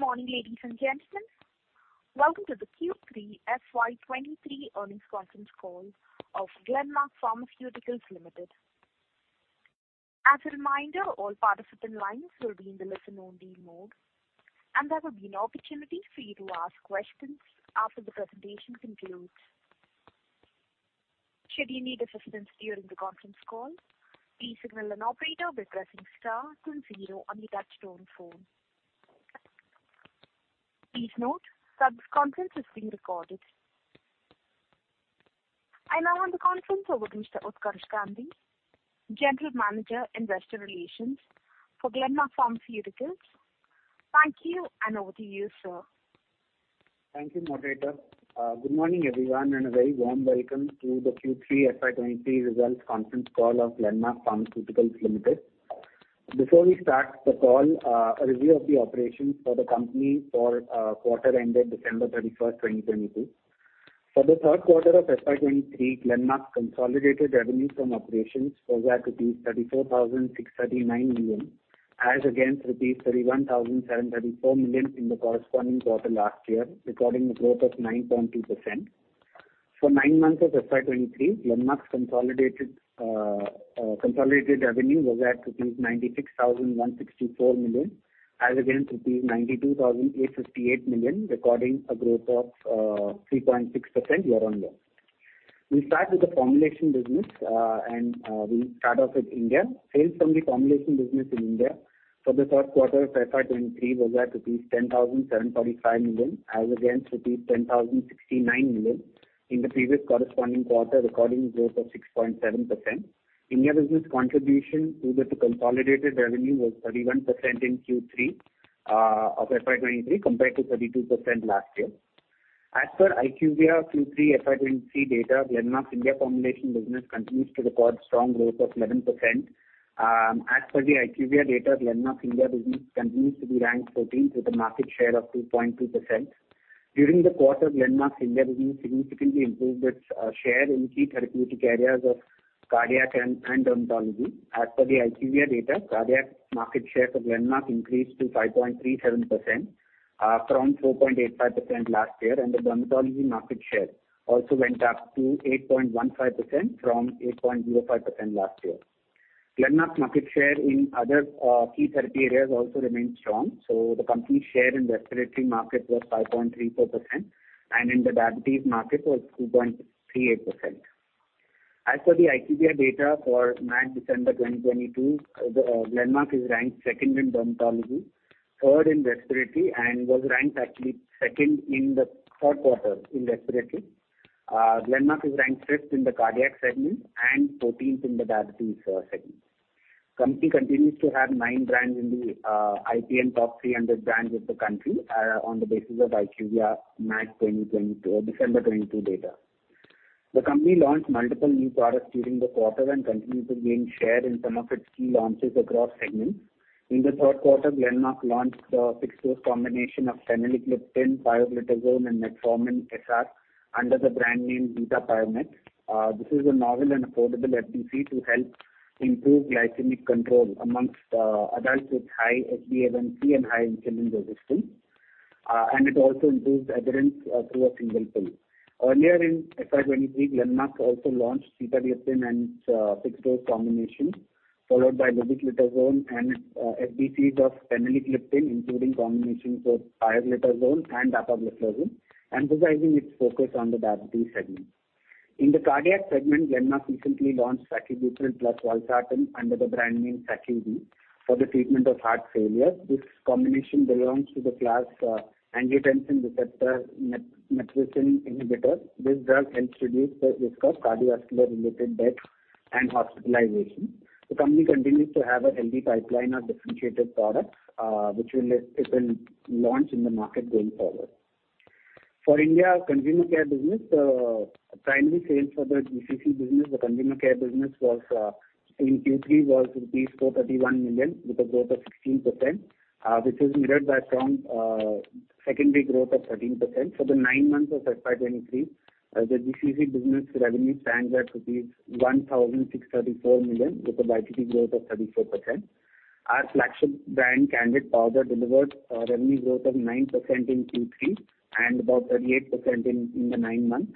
Good morning, ladies and gentlemen. Welcome to the Q3 FY23 earnings conference call of Glenmark Pharmaceuticals Limited. As a reminder, all participant lines will be in the listen-only mode, and there will be an opportunity for you to ask questions after the presentation concludes. Should you need assistance during the conference call, please signal an operator by pressing star then zero on your touchtone phone. Please note, that this conference is being recorded. I now hand the conference over to Mr. Utkarsh Gandhi, General Manager, Investor Relations for Glenmark Pharmaceuticals. Thank you, over to you, sir. Thank you, moderator. Good morning, everyone, and a very warm welcome to the Q3 FY23 results conference call of Glenmark Pharmaceuticals Limited. Before we start the call, a review of the operations for the company for quarter ended December 31, 2022. For the Q3 of FY23, Glenmark's consolidated revenue from operations was at rupees 34,639 million, as against rupees 31,734 million in the corresponding quarter last year, recording a growth of 9.2%. For 9 months of FY23, Glenmark's consolidated revenue was at rupees 96,164 million, as against rupees 92,858 million, recording a growth of 3.6% year-on-year. We start with the formulation business. We start off with India. Sales from the formulation business in India for the Q3 of FY23 was at rupees 10,745 million, as against rupees 10,069 million in the previous corresponding quarter, recording growth of 6.7%. India business contribution to the consolidated revenue was 31% in Q3 of FY23 compared to 32% last year. As per IQVIA Q3 FY23 data, Glenmark's India formulation business continues to record strong growth of 11%. As per the IQVIA data, Glenmark's India business continues to be ranked 14th with a market share of 2.2%. During the quarter, Glenmark's India business significantly improved its share in key therapeutic areas of cardiac and dermatology. As per the IQVIA data, cardiac market share for Glenmark increased to 5.37% from 4.85% last year. The dermatology market share also went up to 8.15% from 8.05% last year. Glenmark's market share in other key therapy areas also remained strong. The company's share in respiratory market was 5.34% and in the diabetes market was 2.38%. As per the IQVIA data for May and December 2022, Glenmark is ranked second in dermatology, third in respiratory, and was ranked actually second in the Q3 in respiratory. Glenmark is ranked sixth in the cardiac segment and fourteenth in the diabetes segment. Company continues to have nine brands in the IPM top 300 brands of the country on the basis of IQVIA May 2022 or December 2022 data. The company launched multiple new products during the quarter and continues to gain share in some of its key launches across segments. In the Q3, Glenmark launched a fixed dose combination of teneligliptin, pioglitazone, and metformin SR under the brand name Betapiomet. This is a novel and affordable FDC to help improve glycemic control amongst adults with high HbA1c and high insulin resistance. And it also improves adherence through a single pill. Earlier in FY 2023, Glenmark also launched sitagliptin and its fixed dose combination, followed by lobeglitazone and FDCs of teneligliptin, including combinations of pioglitazone and dapagliflozin, emphasizing its focus on the diabetes segment. In the cardiac segment, Glenmark recently launched sacubitril plus valsartan under the brand name SacciV for the treatment of heart failure. This combination belongs to the class, angiotensin receptor-neprilysin inhibitor. This drug helps reduce the risk of cardiovascular-related death and hospitalization. The company continues to have a healthy pipeline of differentiated products, which will let it then launch in the market going forward. For India consumer care business, primary sales for the GCC business, the consumer care business was in Q3 was rupees 431 million, with a growth of 16%, which is mirrored by strong secondary growth of 13%. For the nine months of FY 2023, the GCC business revenue stands at rupees 1,634 million, with a YTD growth of 34%. Our flagship brand, Candid Powder, delivered a revenue growth of 9% in Q3 and about 38% in the nine months.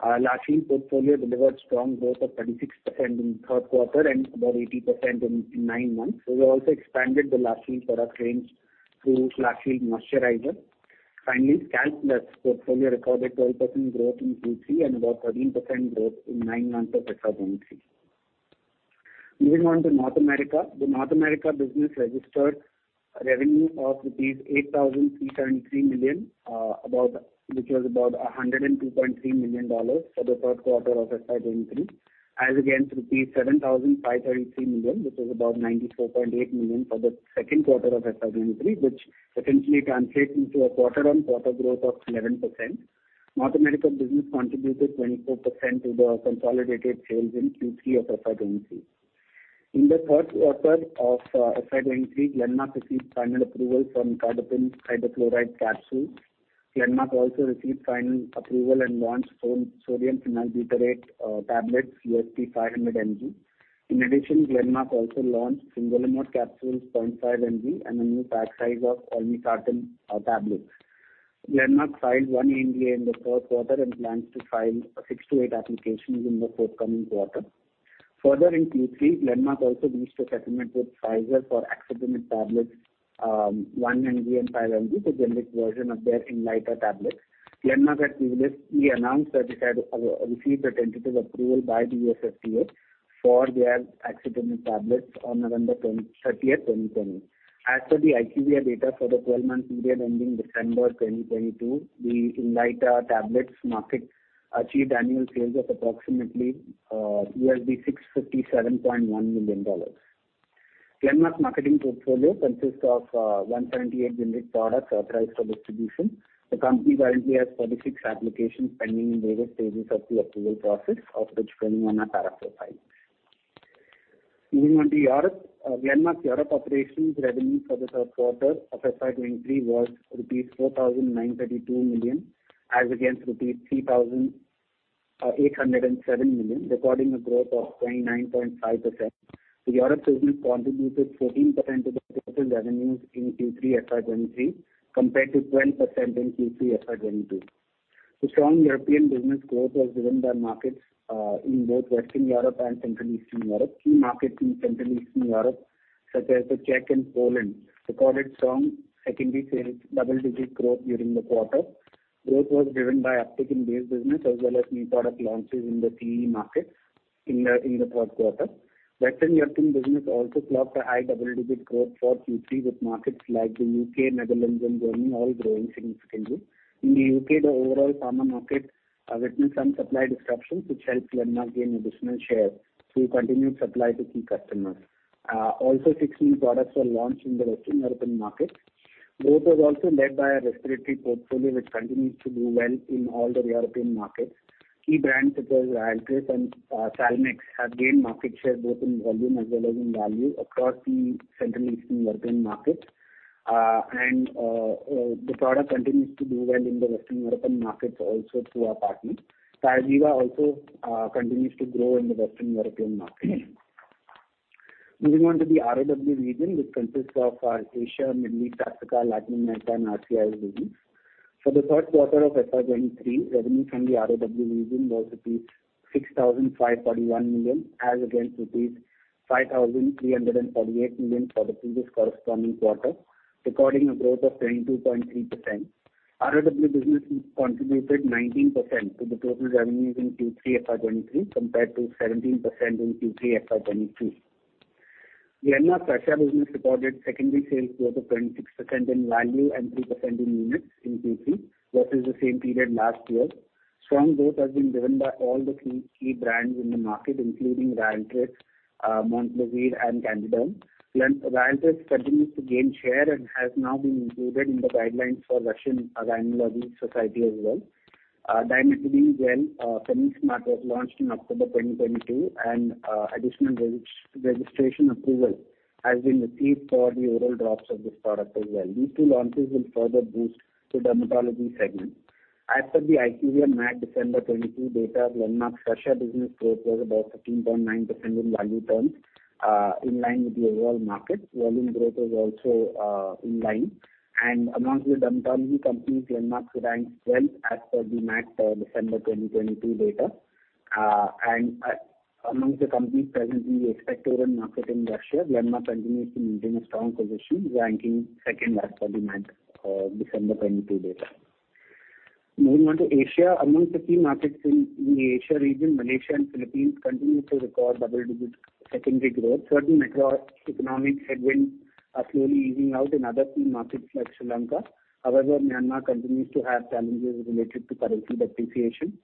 Our La Cream portfolio delivered strong growth of 36% in Q3 and about 80% in nine months. We also expanded the La Cream product range through La Cream moisturizer. Finally, Scalpe+ portfolio recorded 12% growth in Q3 and about 13% growth in nine months of FY23. Moving on to North America. The North America business registered revenue of rupees 8,333 million, which was about $102.3 million for Q3 of FY23, as against 7,533 million, which is about $94.8 million for Q2 of FY23, which essentially translates into a quarter-on-quarter growth of 11%. North America business contributed 24% to the consolidated sales in Q3 of FY 23. In the Q3 of FY 23, Glenmark received final approval for Nicardipine Hydrochloride Capsules. Glenmark also received final approval and launched sodium phenylbutyrate tablets USP 500 mg. In addition, Glenmark also launched Fingolimod capsules 0.5 mg and a new pack size of Olmesartan tablets. Glenmark filed 1 NDA in the Q3 and plans to file 6-8 applications in the forthcoming quarter. In Q3, Glenmark also reached a settlement with Pfizer for Axitinib tablets, 1 mg and 5 mg, the generic version of their Inlyta tablets. Glenmark had previously announced that it had received a tentative approval by the US FDA for their Axitinib tablets on November 30th, 2020. As per the IQVIA data for the 12-month period ending December 2022, the Inlyta tablets market achieved annual sales of approximately $657.1 million. Glenmark marketing portfolio consists of 178 generic products authorized for distribution. The company currently has 36 applications pending in various stages of the approval process, of which 21 are Paragraph IV files. Moving on to Europe. Glenmark's Europe operations revenue for Q3 FY23 was 4,932 million as against 3,807 million, recording a growth of 29.5%. The Europe business contributed 14% of the total revenues in Q3 FY23 compared to 12% in Q3 FY22. The strong European business growth was driven by markets in both Western Europe and Central Eastern Europe. Key markets in Central Eastern Europe, such as the Czech and Poland, recorded strong secondary sales double-digit growth during the quarter. Growth was driven by uptick in base business as well as new product launches in the CEE market in the Q3. Western European business also clocked a high double-digit growth for Q3 with markets like the U.K., Netherlands, and Germany all growing significantly. In the U.K., the overall pharma market witnessed some supply disruptions which helped Glenmark gain additional share through continued supply to key customers. Also 16 products were launched in the Western European market. Growth was also led by our respiratory portfolio, which continues to do well in all the European markets. Key brands such as Ryaltris and Salmex have gained market share both in volume as well as in value across the Central Eastern European markets. The product continues to do well in the Western European markets also through our partners. Tyziga also continues to grow in the Western European market. Moving on to the ROW region, which consists of our Asia, Middle East, Africa, Latin America, and RTI regions. For Q3 FY23, revenue from the ROW region was 6,541 million as against 5,348 million for the previous corresponding quarter, recording a growth of 22.3%. ROW business contributed 19% to the total revenues in Q3 FY23 compared to 17% in Q3 FY22. Glenmark Russia business recorded secondary sales growth of 26% in value and 3% in units in Q3 versus the same period last year. Strong growth has been driven by all the key brands in the market, including Ryaltris, Molnupiravir, and Candiderm. Ryaltris continues to gain share and has now been included in the guidelines for Russian Rhinology Society as well. Dimetindene gel, Fenistil was launched in October 2022, additional registration approval has been received for the oral drops of this product as well. These two launches will further boost the dermatology segment. As per the IQVIA MAT December 2022 data, Glenmark Russia business growth was about 13.9% in value terms, in line with the overall market. Volume growth was also in line. Amongst the dermatology companies, Glenmark ranks twelfth as per the MAT December 2022 data. Amongst the companies presently we expect to run market in Russia, Glenmark continues to maintain a strong position, ranking second as per the MAT December 22 data. Moving on to Asia. Among the key markets in the Asia region, Malaysia and Philippines continue to record double-digit secondary growth. Certain macroeconomic headwinds are slowly easing out in other key markets like Sri Lanka. Myanmar continues to have challenges related to currency depreciation.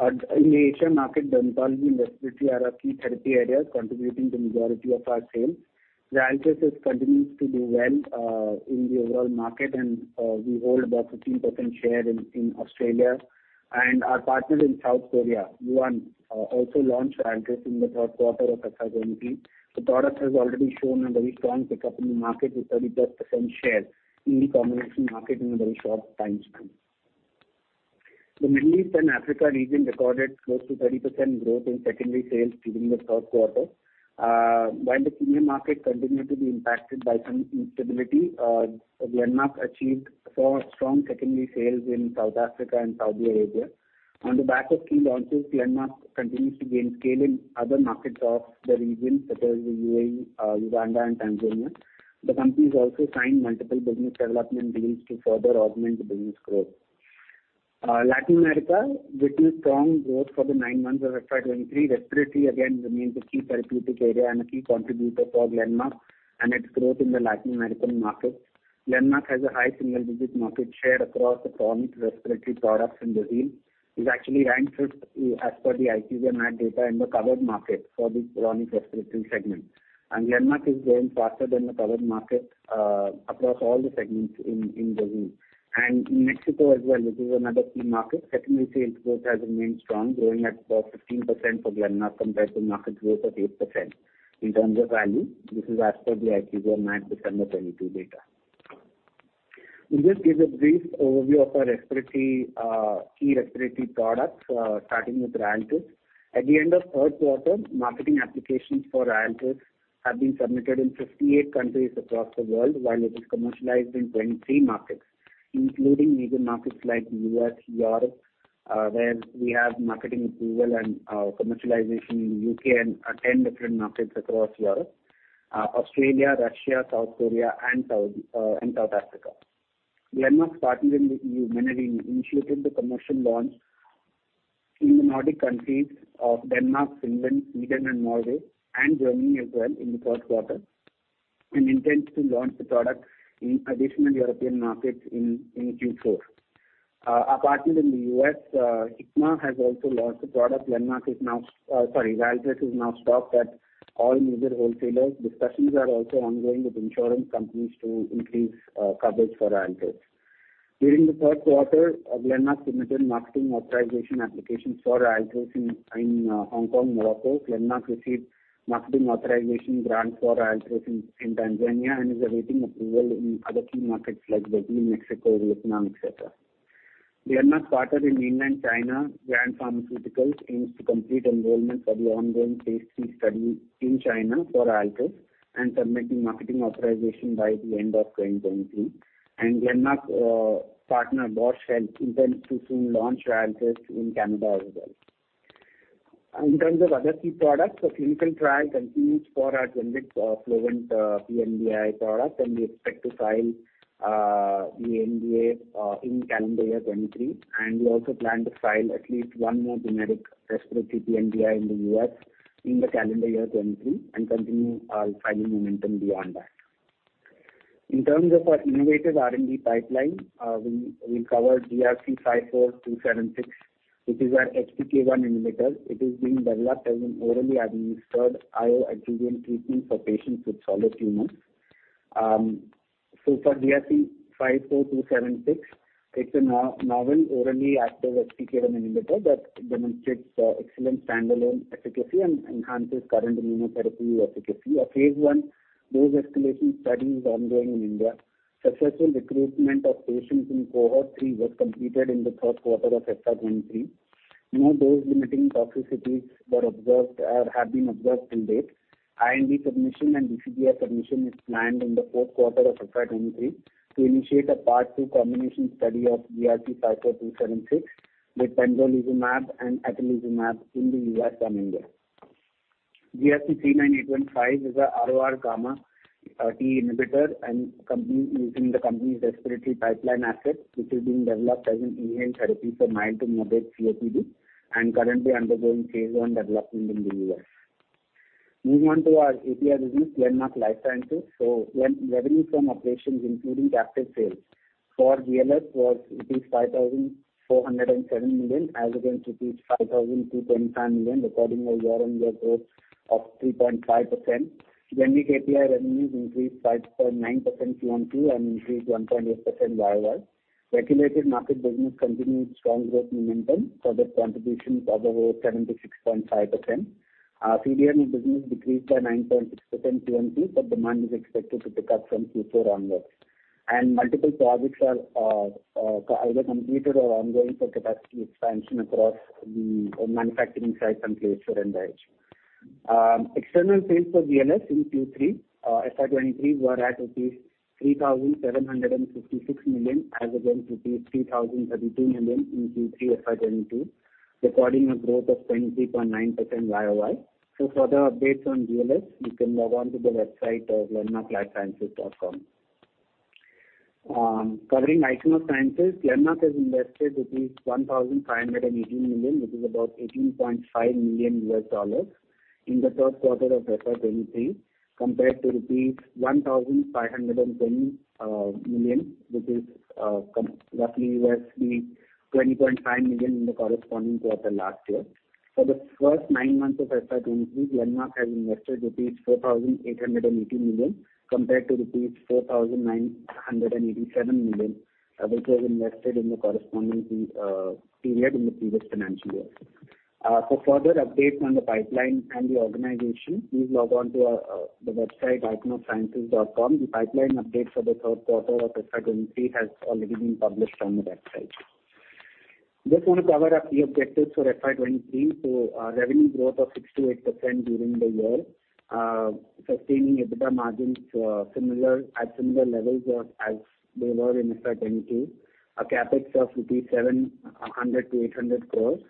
In the Asia market, dermatology and respiratory are our key therapy areas, contributing the majority of our sales. Ryaltris continues to do well in the overall market, we hold about 15% share in Australia. Our partners in South Korea, Yuhan, also launched Ryaltris in the Q3 of FY 2023. The product has already shown a very strong pickup in the market with 30%+ share in the combination market in a very short time span. The Middle East and Africa region recorded close to 30% growth in secondary sales during the Q3. While the Kenya market continued to be impacted by some instability, Glenmark achieved strong secondary sales in South Africa and Saudi Arabia. On the back of key launches, Glenmark continues to gain scale in other markets of the region, such as the UAE, Uganda, and Tanzania. The company has also signed multiple business development deals to further augment the business growth. Latin America witnessed strong growth for the 9 months of FY23. Respiratory again remains a key therapeutic area and a key contributor for Glenmark and its growth in the Latin American market. Glenmark has a high single-digit market share across the chronic respiratory products in Brazil, is actually ranked 5th as per the IQVIA MAT data in the covered market for the chronic respiratory segment. Glenmark is growing faster than the covered market, across all the segments in Brazil. In Mexico as well, which is another key market, secondary sales growth has remained strong, growing at about 15% for Glenmark compared to market growth of 8% in terms of value. This is as per the IQVIA MAT December 2022 data. We'll just give a brief overview of our respiratory, key respiratory products, starting with Ryaltris. At the end of Q3, marketing applications for Ryaltris have been submitted in 58 countries across the world, while it is commercialized in 23 markets, including major markets like US, Europe, where we have marketing approval and commercialization in UK and 10 different markets across Europe, Australia, Russia, South Korea and South Africa. Glenmark's partner in the EU, Menarini, initiated the commercial launch in the Nordic countries of Denmark, Finland, Sweden and Norway, and Germany as well in the 1st quarter, and intends to launch the product in additional European markets in Q4. Apart from in the US, Hikma has also launched the product. Ryaltris is now stocked at all major wholesalers. Discussions are also ongoing with insurance companies to increase coverage for Ryaltris. During the Q3, Glenmark submitted marketing authorization applications for Ryaltris in Hong Kong, Morocco. Glenmark received marketing authorization grants for Ryaltris in Tanzania and is awaiting approval in other key markets like Belgium, Mexico, Vietnam, et cetera. Glenmark's partner in mainland China, Grand Pharmaceutical, aims to complete enrollment of the ongoing phase three study in China for Ryaltris and submit the marketing authorization by the end of 2023. Glenmark partner, Bausch Health, intends to soon launch Ryaltris in Canada as well. In terms of other key products, the clinical trial continues for our generic Flovent pMDI product, and we expect to file the NDA in calendar year 2023. We also plan to file at least one more generic respiratory pMDI in the U.S. in the calendar year 2023 and continue our filing momentum beyond that. In terms of our innovative R&D pipeline, we'll cover GRC 54276, which is our HPK1 inhibitor. It is being developed as an orally administered IO adjuvant treatment for patients with solid tumors. For GRC 54276, it's a no-novel orally active HPK1 inhibitor that demonstrates excellent standalone efficacy and enhances current immunotherapy efficacy. A phase I dose-escalation study is ongoing in India. Successful recruitment of patients in cohort 3 was completed in the Q3 of FY23. No dose-limiting toxicities were observed or have been observed to date. IND submission and DCF submission is planned in the Q4 of FY23 to initiate a phase II combination study of GRC 54276 with pembrolizumab and atezolizumab in the U.S. and India. GRC 39815 is a RORγt inhibitor and is in the company's respiratory pipeline assets, which is being developed as an inhaled therapy for mild-to-moderate COPD and currently undergoing phase 1 development in the U.S. Moving on to our API business, Glenmark Life Sciences. When revenue from operations including captive sales for GLS was rupees 5,407 million as against rupees 5,225 million, recording a year-on-year growth of 3.5%. Generic API revenues increased 5.9% quarter-over-quarter and increased 1.8% year-over-year. Regulated market business continued strong growth momentum. Further contributions of over 7%-6.5%. Our CDMO business decreased by 9.6% quarter-over-quarter, but demand is expected to pick up from Q4 onwards. Multiple projects are either completed or ongoing for capacity expansion across the manufacturing sites in Klasa and Baddi. External sales for GLS in Q3 FY23 were at 3,756 million, as against 3,032 million in Q3 FY22, recording a growth of 23.9% year-over-year. For the updates on GLS, you can log on to the website of glenmarklifesciences.com. Covering Ichnos Sciences, Glenmark has invested 1,518 million, which is about $18.5 million in the Q3 of FY23, compared to rupees 1,520 million, which is roughly $20.5 million in the corresponding quarter last year. For the first 9 months of FY23, Glenmark has invested rupees 4,880 million compared to rupees 4,987 million, which was invested in the corresponding period in the previous financial year. For further updates on the pipeline and the organization, please log on to the website ichnos-sciences.com. The pipeline update for the Q3 of FY23 has already been published on the website. Just want to cover a few objectives for FY23. Revenue growth of 6% to 8% during the year. Sustaining EBITDA margins at similar levels as they were in FY22. A CapEx of rupees 700 to 800 crores.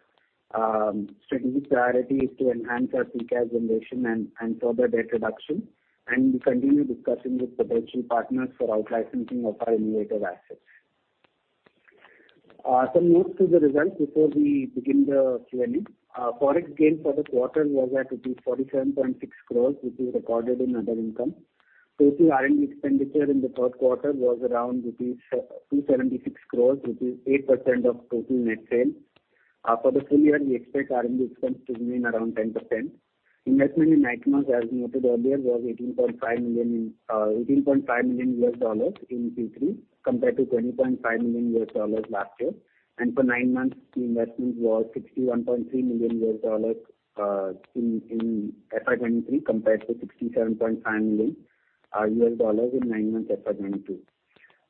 Strategic priority is to enhance our free cash generation and further debt reduction. We continue discussing with potential partners for out-licensing of our innovative assets. Some notes to the results before we begin the Q&A. Forex gain for the quarter was at 47.6 crores, which is recorded in other income. Total R&D expenditure in the Q3 was around rupees 276 crores, which is 8% of total net sales. For the full year, we expect R&D expense to remain around 10%. Investment in Ichnos, as noted earlier, was $18.5 million in Q3, compared to $20.5 million last year. For nine months, the investment was $61.3 million in FY23, compared to $67.5 million in nine months FY22.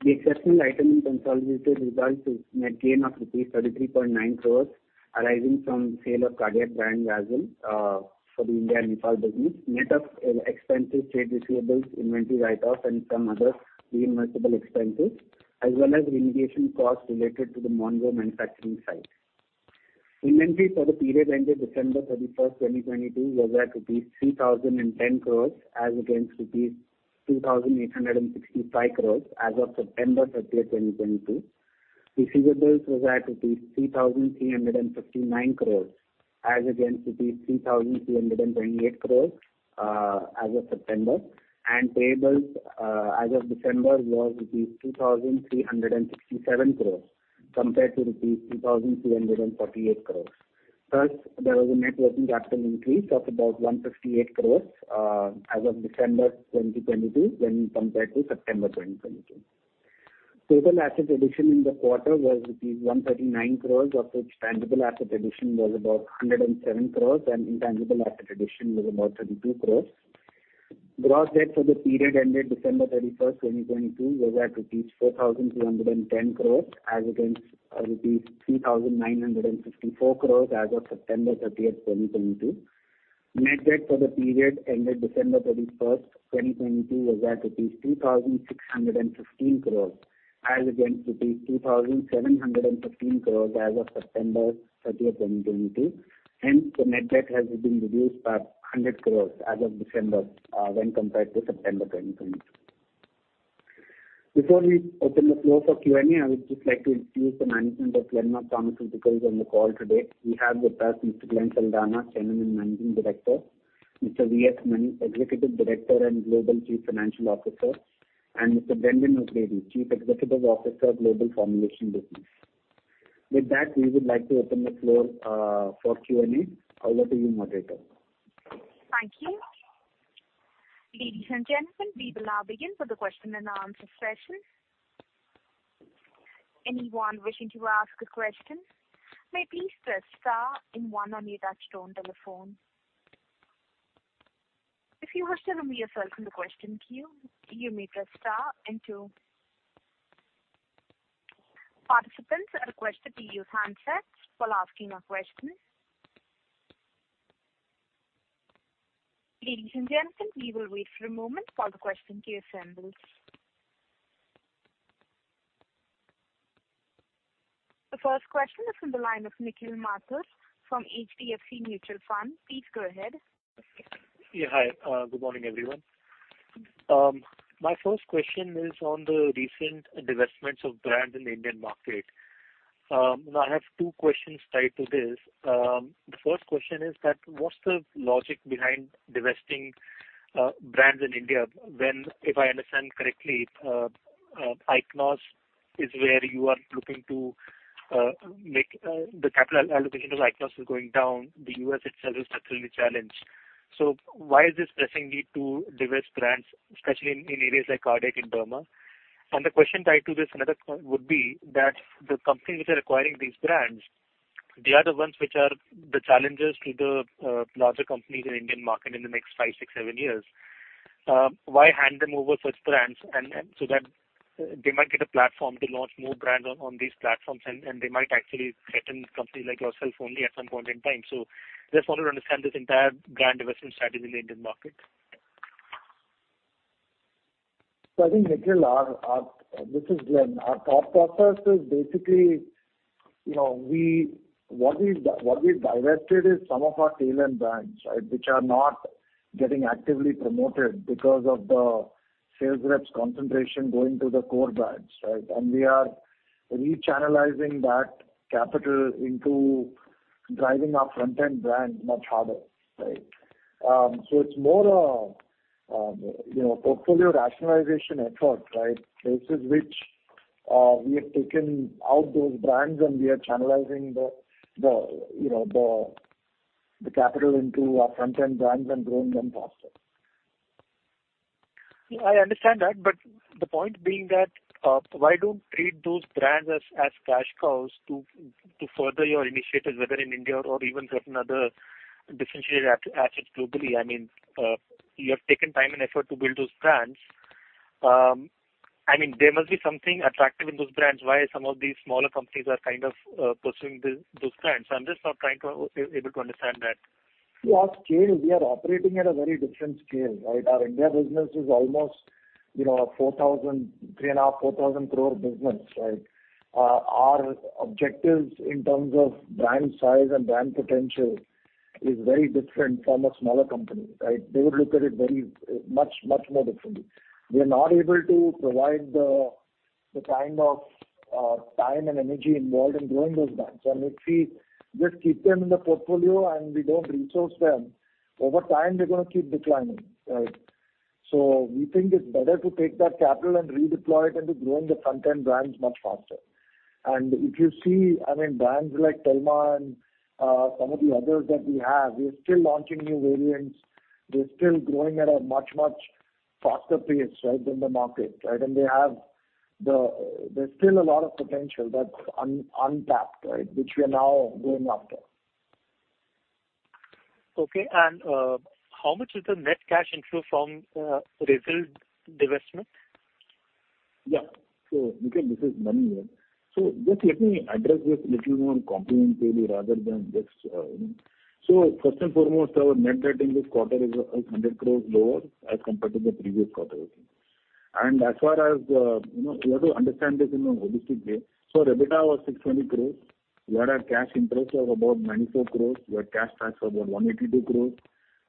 The exceptional item in consolidated results is net gain of rupees 33.9 crores arising from sale of cardiac brand Vasin for the India Nepal business, net of expensive trade receivables, inventory write-off and some other reinvestable expenses, as well as remediation costs related to the Monroe manufacturing site. Inventory for the period ended December 31, 2022 was at 3,010 crores as against 2,865 crores as of September 30, 2022. Receivables was at 3,359 crores as against 3,328 crores as of September. Payables as of December was rupees 2,367 crores compared to rupees 2,348 crores. There was a net working capital increase of about 158 crores as of December 2022 when compared to September 2022. Total asset addition in the quarter was INR 139 crores, of which tangible asset addition was about 107 crores and intangible asset addition was about 32 crores. Gross debt for the period ended December 31, 2022 was at INR 4,210 crores as against INR 3,954 crores as of September 30, 2022. Net debt for the period ended December 31st, 2022 was at rupees 2,615 crores as against rupees 2,715 crores as of September 30, 2022. The net debt has been reduced by 100 crores as of December when compared to September 2022. Before we open the floor for Q&A, I would just like to introduce the management of Glenmark Pharmaceuticals on the call today. We have with us Mr. Glenn Saldanha, Chairman and Managing Director, Mr. V.S. Mani, Executive Director and Global Chief Financial Officer, and Mr. Brendan O'Grady, Chief Executive Officer, Global Formulations Business. We would like to open the floor for Q&A. Over to you, moderator. Thank you. Ladies and gentlemen, we will now begin for the question and answer session. Anyone wishing to ask a question may please press star and one on your touchtone telephone. If you wish to remove yourself from the question queue, you may press star and two. Participants are requested to use handsets while asking a question. Ladies and gentlemen, we will wait for a moment while the question queue assembles. The first question is from the line of Nikhil Mathur from HDFC Mutual Fund. Please go ahead. Hi. Good morning, everyone. My first question is on the recent divestments of brands in the Indian market. Now I have two questions tied to this. The first question is that what's the logic behind divesting brands in India when, if I understand correctly, Ichnos is where you are looking to make the capital allocation of Ichnos is going down. The U.S. itself is structurally challenged. Why is this pressing need to divest brands, especially in areas like cardiac and derma? The question tied to this, another would be that the companies which are acquiring these brands, they are the ones which are the challenges to the larger companies in Indian market in the next five, six, seven years. Why hand them over such brands and so that they might get a platform to launch more brands on these platforms and they might actually threaten companies like yourself only at some point in time. Just wanted to understand this entire brand investment strategy in the Indian market. I think, Nikhil, this is Glen. Our thought process is basically, you know, we divested some of our tail-end brands, right, which are not getting actively promoted because of the sales reps concentration going to the core brands, right? We are rechannelizing that capital into driving our front-end brand much harder, right? It's more, you know, portfolio rationalization effort, right? Places which we have taken out those brands and we are channelizing the, you know, the capital into our front-end brands and growing them faster. Yeah, I understand that. The point being that, why don't treat those brands as cash cows to further your initiatives, whether in India or even certain other differentiated assets globally? I mean, you have taken time and effort to build those brands. I mean, there must be something attractive in those brands. Why some of these smaller companies are kind of pursuing those brands? I'm just sort of trying to be able to understand that. Our scale, we are operating at a very different scale, right? Our India business is almost, you know, 3,500 to R 4,000 crore business, right? Our objectives in terms of brand size and brand potential is very different from a smaller company, right? They would look at it very much, much more differently. We are not able to provide the kind of time and energy involved in growing those brands. If we just keep them in the portfolio and we don't resource them, over time they're gonna keep declining, right? So we think it's better to take that capital and redeploy it into growing the front-end brands much faster. If you see, I mean, brands like Telma and some of the others that we have, we are still launching new variants. They're still growing at a much faster pace, right, than the market, right. There's still a lot of potential that's untapped, right, which we are now going after. Okay. How much is the net cash inflow from Razel divestment? Again, this is Manish here. Just let me address this little more comprehensively rather than just. First and foremost, our net rating this quarter is 100 crores lower as compared to the previous quarter, okay. As far as, you know, you have to understand this in a holistic way. EBITDA was 620 crores. We had a cash interest of about 94 crores. We had cash tax of about 182 crores.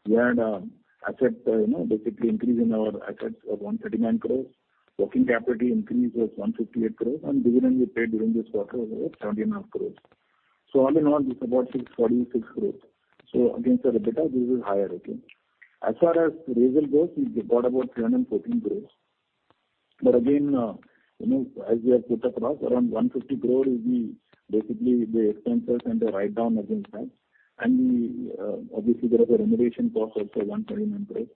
We had, you know, basically increase in our assets of 139 crores. Working capital increase was 158 crores. Dividend we paid during this quarter was INR 17 and a half crores. All in all, this is about 646 crores. Against the EBITDA, this is higher, okay. As far as Razel goes, we got about 314 crores. Again, you know, as we have put across, around 150 crore will be basically the expenses and the write down against that. We, obviously, there is a remediation cost also, 129 crore.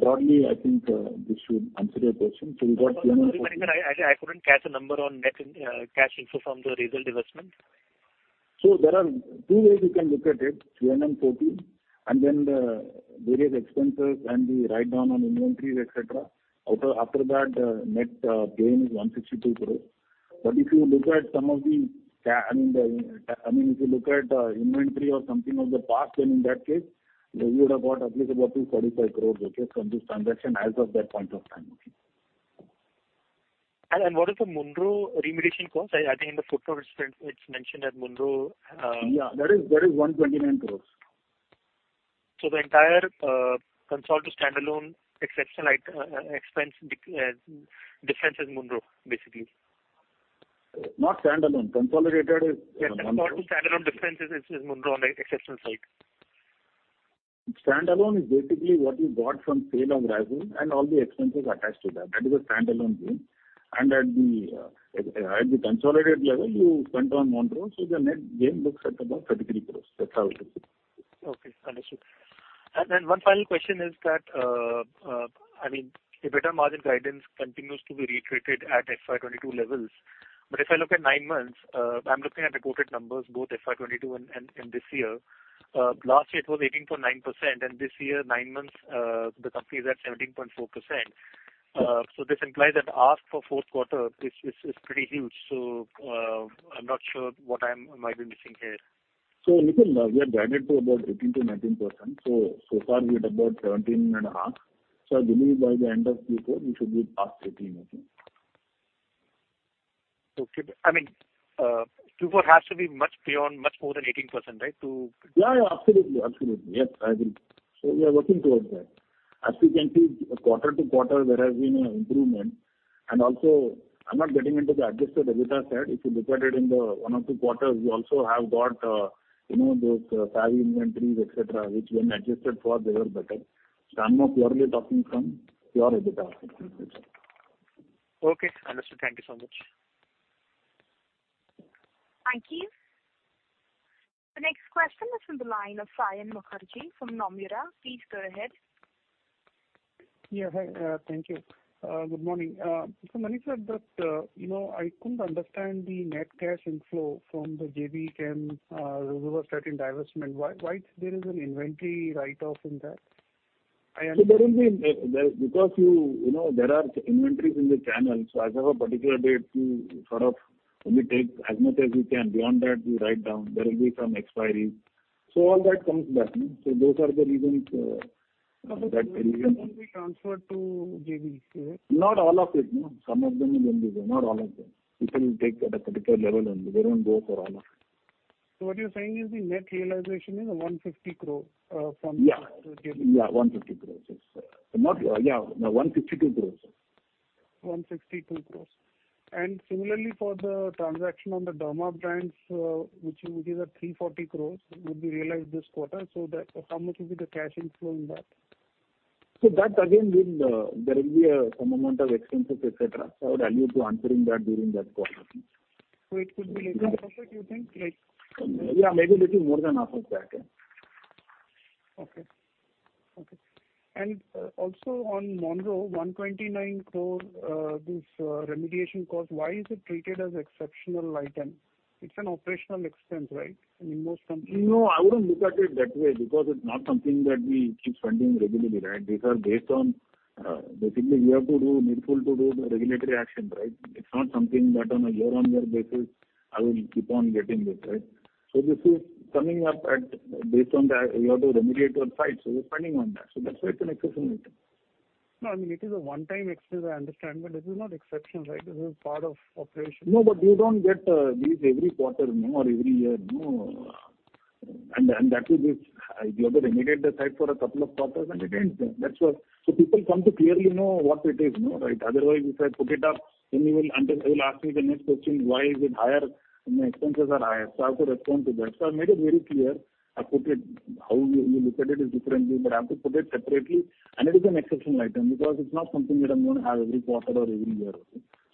Broadly, I think, this should answer your question. Sorry, Manish, I couldn't catch the number on net cash inflow from the Razel divestment. There are two ways you can look at it, 314, and then the various expenses and the write down on inventories, et cetera. After that, net gain is 162 crores. If you look at inventory or something of the past, then in that case, we would have got at least about 245 crores, okay, from this transaction as of that point of time, okay. What is the Monroe remediation cost? I think in the footnotes, it's mentioned that Monroe. Yeah, that is 129 crores. The entire consolidated standalone exceptional item, expense difference is Monroe, basically. Not standalone. Consolidated. Yeah, consolidated standalone difference is Monroe on the exceptional side. Standalone is basically what you got from sale of Razel and all the expenses attached to that. That is a standalone deal. At the, at the consolidated level, you went on Monroe, so the net gain looks at about 33 crores. That's how it is. Okay, understood. Then one final question is that, I mean, EBITDA margin guidance continues to be reiterated at FY22 levels. If I look at 9 months, I'm looking at reported numbers, both FY22 and this year. Last year it was 18.9%, and this year, 9 months, the company is at 17.4%. This implies that ask for 4th quarter is pretty huge. I'm not sure what I might be missing here. Nikhil, we have guided to about 18% to 19%. So far we at about 17.5%. I believe by the end of Q4, we should be past 18, I think. Okay. I mean, Q4 has to be much more than 18%, right? Yeah. Absolutely. Yes, I agree. We are working towards that. As you can see, quarter to quarter there has been a improvement. Also, I'm not getting into the adjusted EBITDA side. If you look at it in the one or two quarters, we also have got, you know, those fab inventories, et cetera, which when adjusted for, they were better. I'm now purely talking from pure EBITDA perspective. Okay, understood. Thank you so much. Thank you. The next question is from the line of Saion Mukherjee from Nomura. Please go ahead. Yeah, hi. Thank you. Good morning. Manish, you know, I couldn't understand the net cash inflow from the JB Chem, Riverside 13 divestment. Why there is an inventory write-off in that? There will be there, because you know, there are inventories in the channel. As of a particular date, you sort of only take as much as you can. Beyond that, you write down. There will be some expiry. All that comes back, no. Those are the reasons, that. It won't be transferred to JV, correct? Not all of it, no. Some of them will only go, not all of them. You can take at a particular level, and we won't go for all of them. What you're saying is the net realization is 150 crore? Yeah. Yeah. 150 crores. It's not yeah. No, 162 crores. INR 162 crores. Similarly for the transaction on the Derma brands, which is at 340 crores, would be realized this quarter. How much will be the cash inflow in that? That again will, there will be some amount of expenses, et cetera. I would value to answering that during that quarter. It could be less than 50, you think? Maybe little more than half of that, yeah. Okay. Okay. also on Monroe, 129 crore, this remediation cost, why is it treated as exceptional item? It's an operational expense, right? I mean, most companies. No, I wouldn't look at it that way because it's not something that we keep funding regularly, right? These are based on, basically we have to do, needful to do the regulatory action, right? It's not something that on a year-on-year basis I will keep on getting this, right? This is coming up at, based on the, you have to remediate your site. We're spending on that. That's why it's an exceptional item. No, I mean it is a one-time expense, I understand, but this is not exceptional, right? This is part of operation. You don't get these every quarter or every year. You have to remediate the site for a couple of quarters and it ends there. That's why. People come to clearly know what it is. Otherwise, if I put it up, you will ask me the next question, why is it higher and the expenses are higher? I have to respond to that. I made it very clear. I put it how you look at it is differently, but I have to put it separately, it is an exceptional item because it's not something that I'm gonna have every quarter or every year.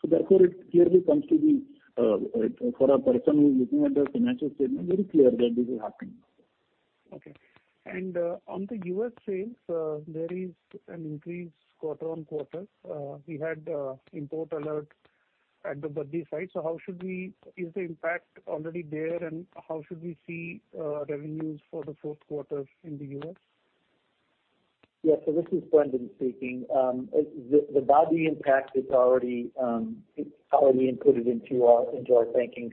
It clearly comes to the for a person who is looking at the financial statement, very clear that this is happening. Okay. On the U.S. sales, there is an increase quarter-on-quarter. We had import alert At the Baddi site. Is the impact already there, and how should we see revenues for the Q4 in the US? This is Brendan speaking. The Baddi impact is already, it's already included into our, into our thinking.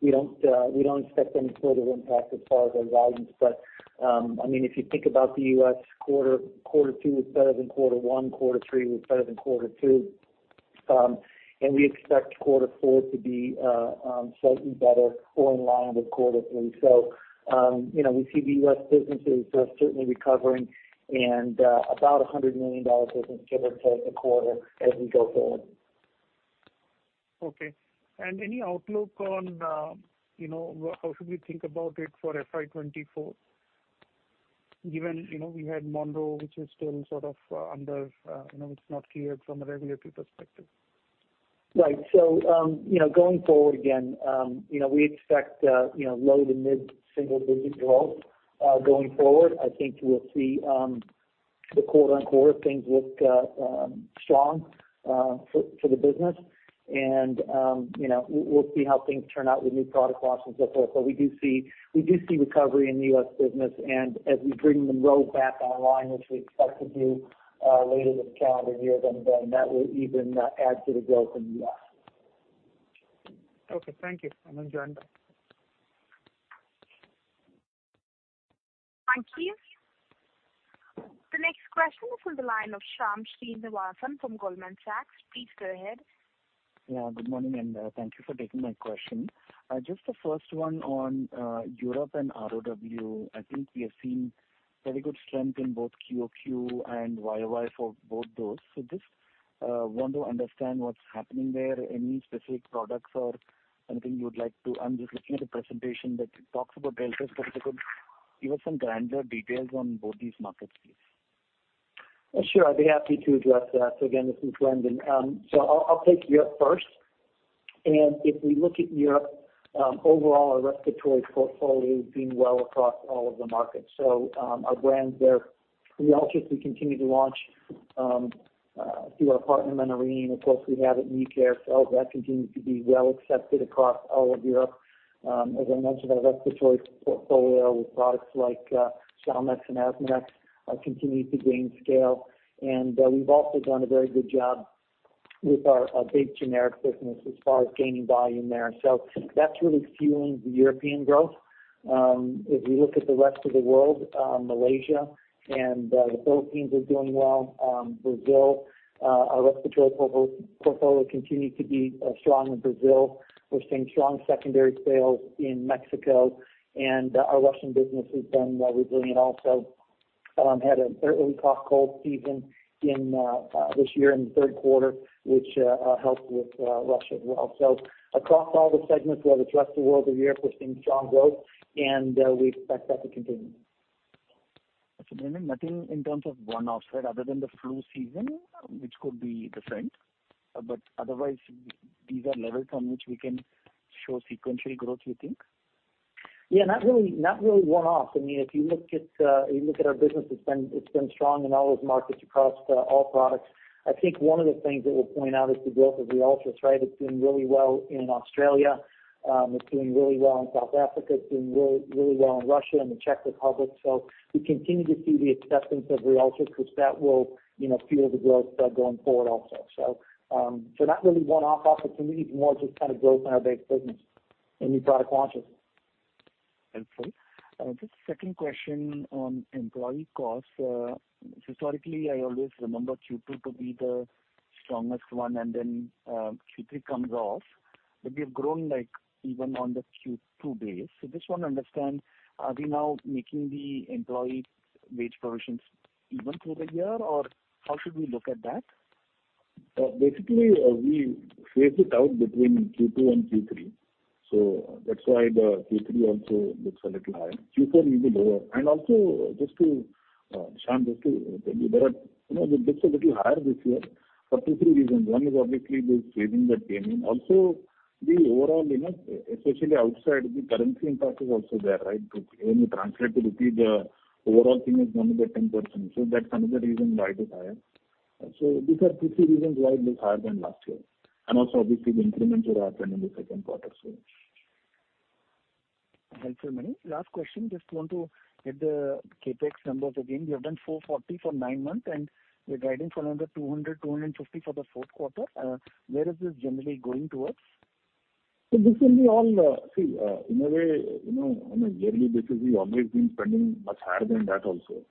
We don't expect any further impact as far as our volumes. I mean, if you think about the US quarter two was better than quarter one, quarter three was better than quarter two. And we expect quarter four to be slightly better or in line with quarter three. You know, we see the US business is certainly recovering and about $100 million of expenditure per quarter as we go forward. Okay. Any outlook on, you know, how should we think about it for FY 2024, given, you know, we had Monroe, which is still sort of under, you know, it's not cleared from a regulatory perspective? Right. you know, going forward again, you know, we expect, you know, low to mid single digit growth, going forward. I think we'll see the quarter on quarter things look strong for the business. you know, we'll see how things turn out with new product launches, et cetera. We do see recovery in the US business. As we bring Monroe back online, which we expect to do later this calendar year, then that will even add to the growth in the US. Okay. Thank you. I'm done. Thank you. The next question is from the line of Shyam Srinivasan from Goldman Sachs. Please go ahead. Good morning, and thank you for taking my question. Just the first one on Europe and ROW. I think we have seen very good strength in both QOQ and YOY for both those. Just want to understand what's happening there. Any specific products or anything you would like to... I'm just looking at the presentation that talks about sales. If you could give us some granular details on both these markets, please. Sure. I'd be happy to address that. Again, this is Brendan. I'll take Europe first. If we look at Europe, overall our respiratory portfolio is doing well across all of the markets. Our brands there, we also continue to launch through our partner Menarini. Of course, we have it in care. That continues to be well accepted across all of Europe. As I mentioned, our respiratory portfolio with products like Salmex and Asthmex continue to gain scale. We've also done a very good job with our big generic business as far as gaining volume there. That's really fueling the European growth. If we look at the rest of the world, Malaysia and the Philippines are doing well. Brazil, our respiratory portfolio continued to be strong in Brazil. We're seeing strong secondary sales in Mexico, and our Russian business has been resilient also. Had an early cough, cold season in this year in the Q3, which helped with Russia as well. Across all the segments, whether it's rest of the world or Europe, we're seeing strong growth and we expect that to continue. Nothing in terms of one-offs, right, other than the flu season, which could be different, but otherwise these are levels on which we can show sequential growth, you think? Yeah. Not really one-off. I mean, if you look at our business, it's been strong in all those markets across all products. I think one of the things that we'll point out is the growth of Ryaltris, right? It's doing really well in Australia. It's doing really well in South Africa. It's doing really well in Russia and the Czech Republic. We continue to see the acceptance of Ryaltris, which that will, you know, fuel the growth going forward also. Not really one-off opportunities, more just kind of growth in our base business and new product launches. Helpful. Just second question on employee costs. Historically, I always remember Q2 to be the strongest one, and then Q3 comes off. We have grown like even on the Q2 base. Just want to understand, are we now making the employee wage provisions even through the year, or how should we look at that? Basically, we phase it out between Q2 and Q3, so that's why the Q3 also looks a little higher. Q4 will be lower. Also just to, Shyam, just to tell you know, it looks a little higher this year for 2, 3 reasons. One is obviously the phasing that came in. Also the overall, you know, especially outside the currency impact is also there, right? When you translate to rupee, the overall thing is going to be 10%. That's another reason why it is higher. These are two, three reasons why it looks higher than last year. Also obviously the increments which are happening in the second quarter. Helpful, Mani. Last question, just want to get the CapEx numbers again. You have done 440 for 9 months and you're guiding for another 200 to 250 for the Q4. Where is this generally going towards? This will be all, in a way, you know, on a yearly basis, we've always been spending much higher than that also.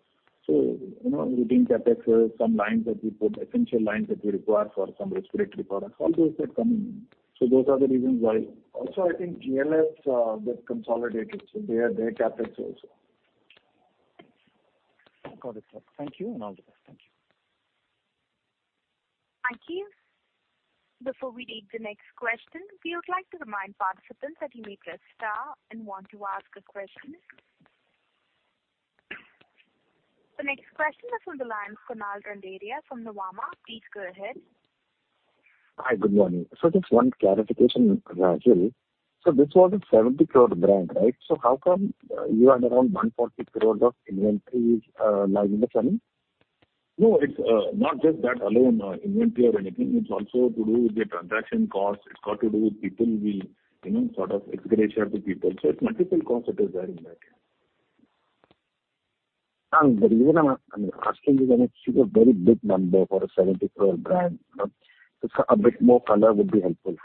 You know, routine CapExes, some lines that we put, essential lines that we require for some respiratory products, all those are coming in. Those are the reasons why. Also, I think GLS get consolidated, so their CapEx also. Got it, sir. Thank you and all the best. Thank you. Thank you. Before we take the next question, we would like to remind participants that you may press star and want to ask a question. The next question is from the line of Kunal Randeria from Nomura. Please go ahead. Hi. Good morning. Just one clarification, Rajul. This was a 70 crore brand, right? How come you had around 140 crore of inventory lying in the channel? No, it's not just that alone, inventory or anything. It's also to do with the transaction costs. It's got to do with people will, you know, sort of expatriate the people. It's multiple costs that is there in that. The reason I'm asking is I mean, it's a very big number for a 74 brand. A bit more color would be helpful.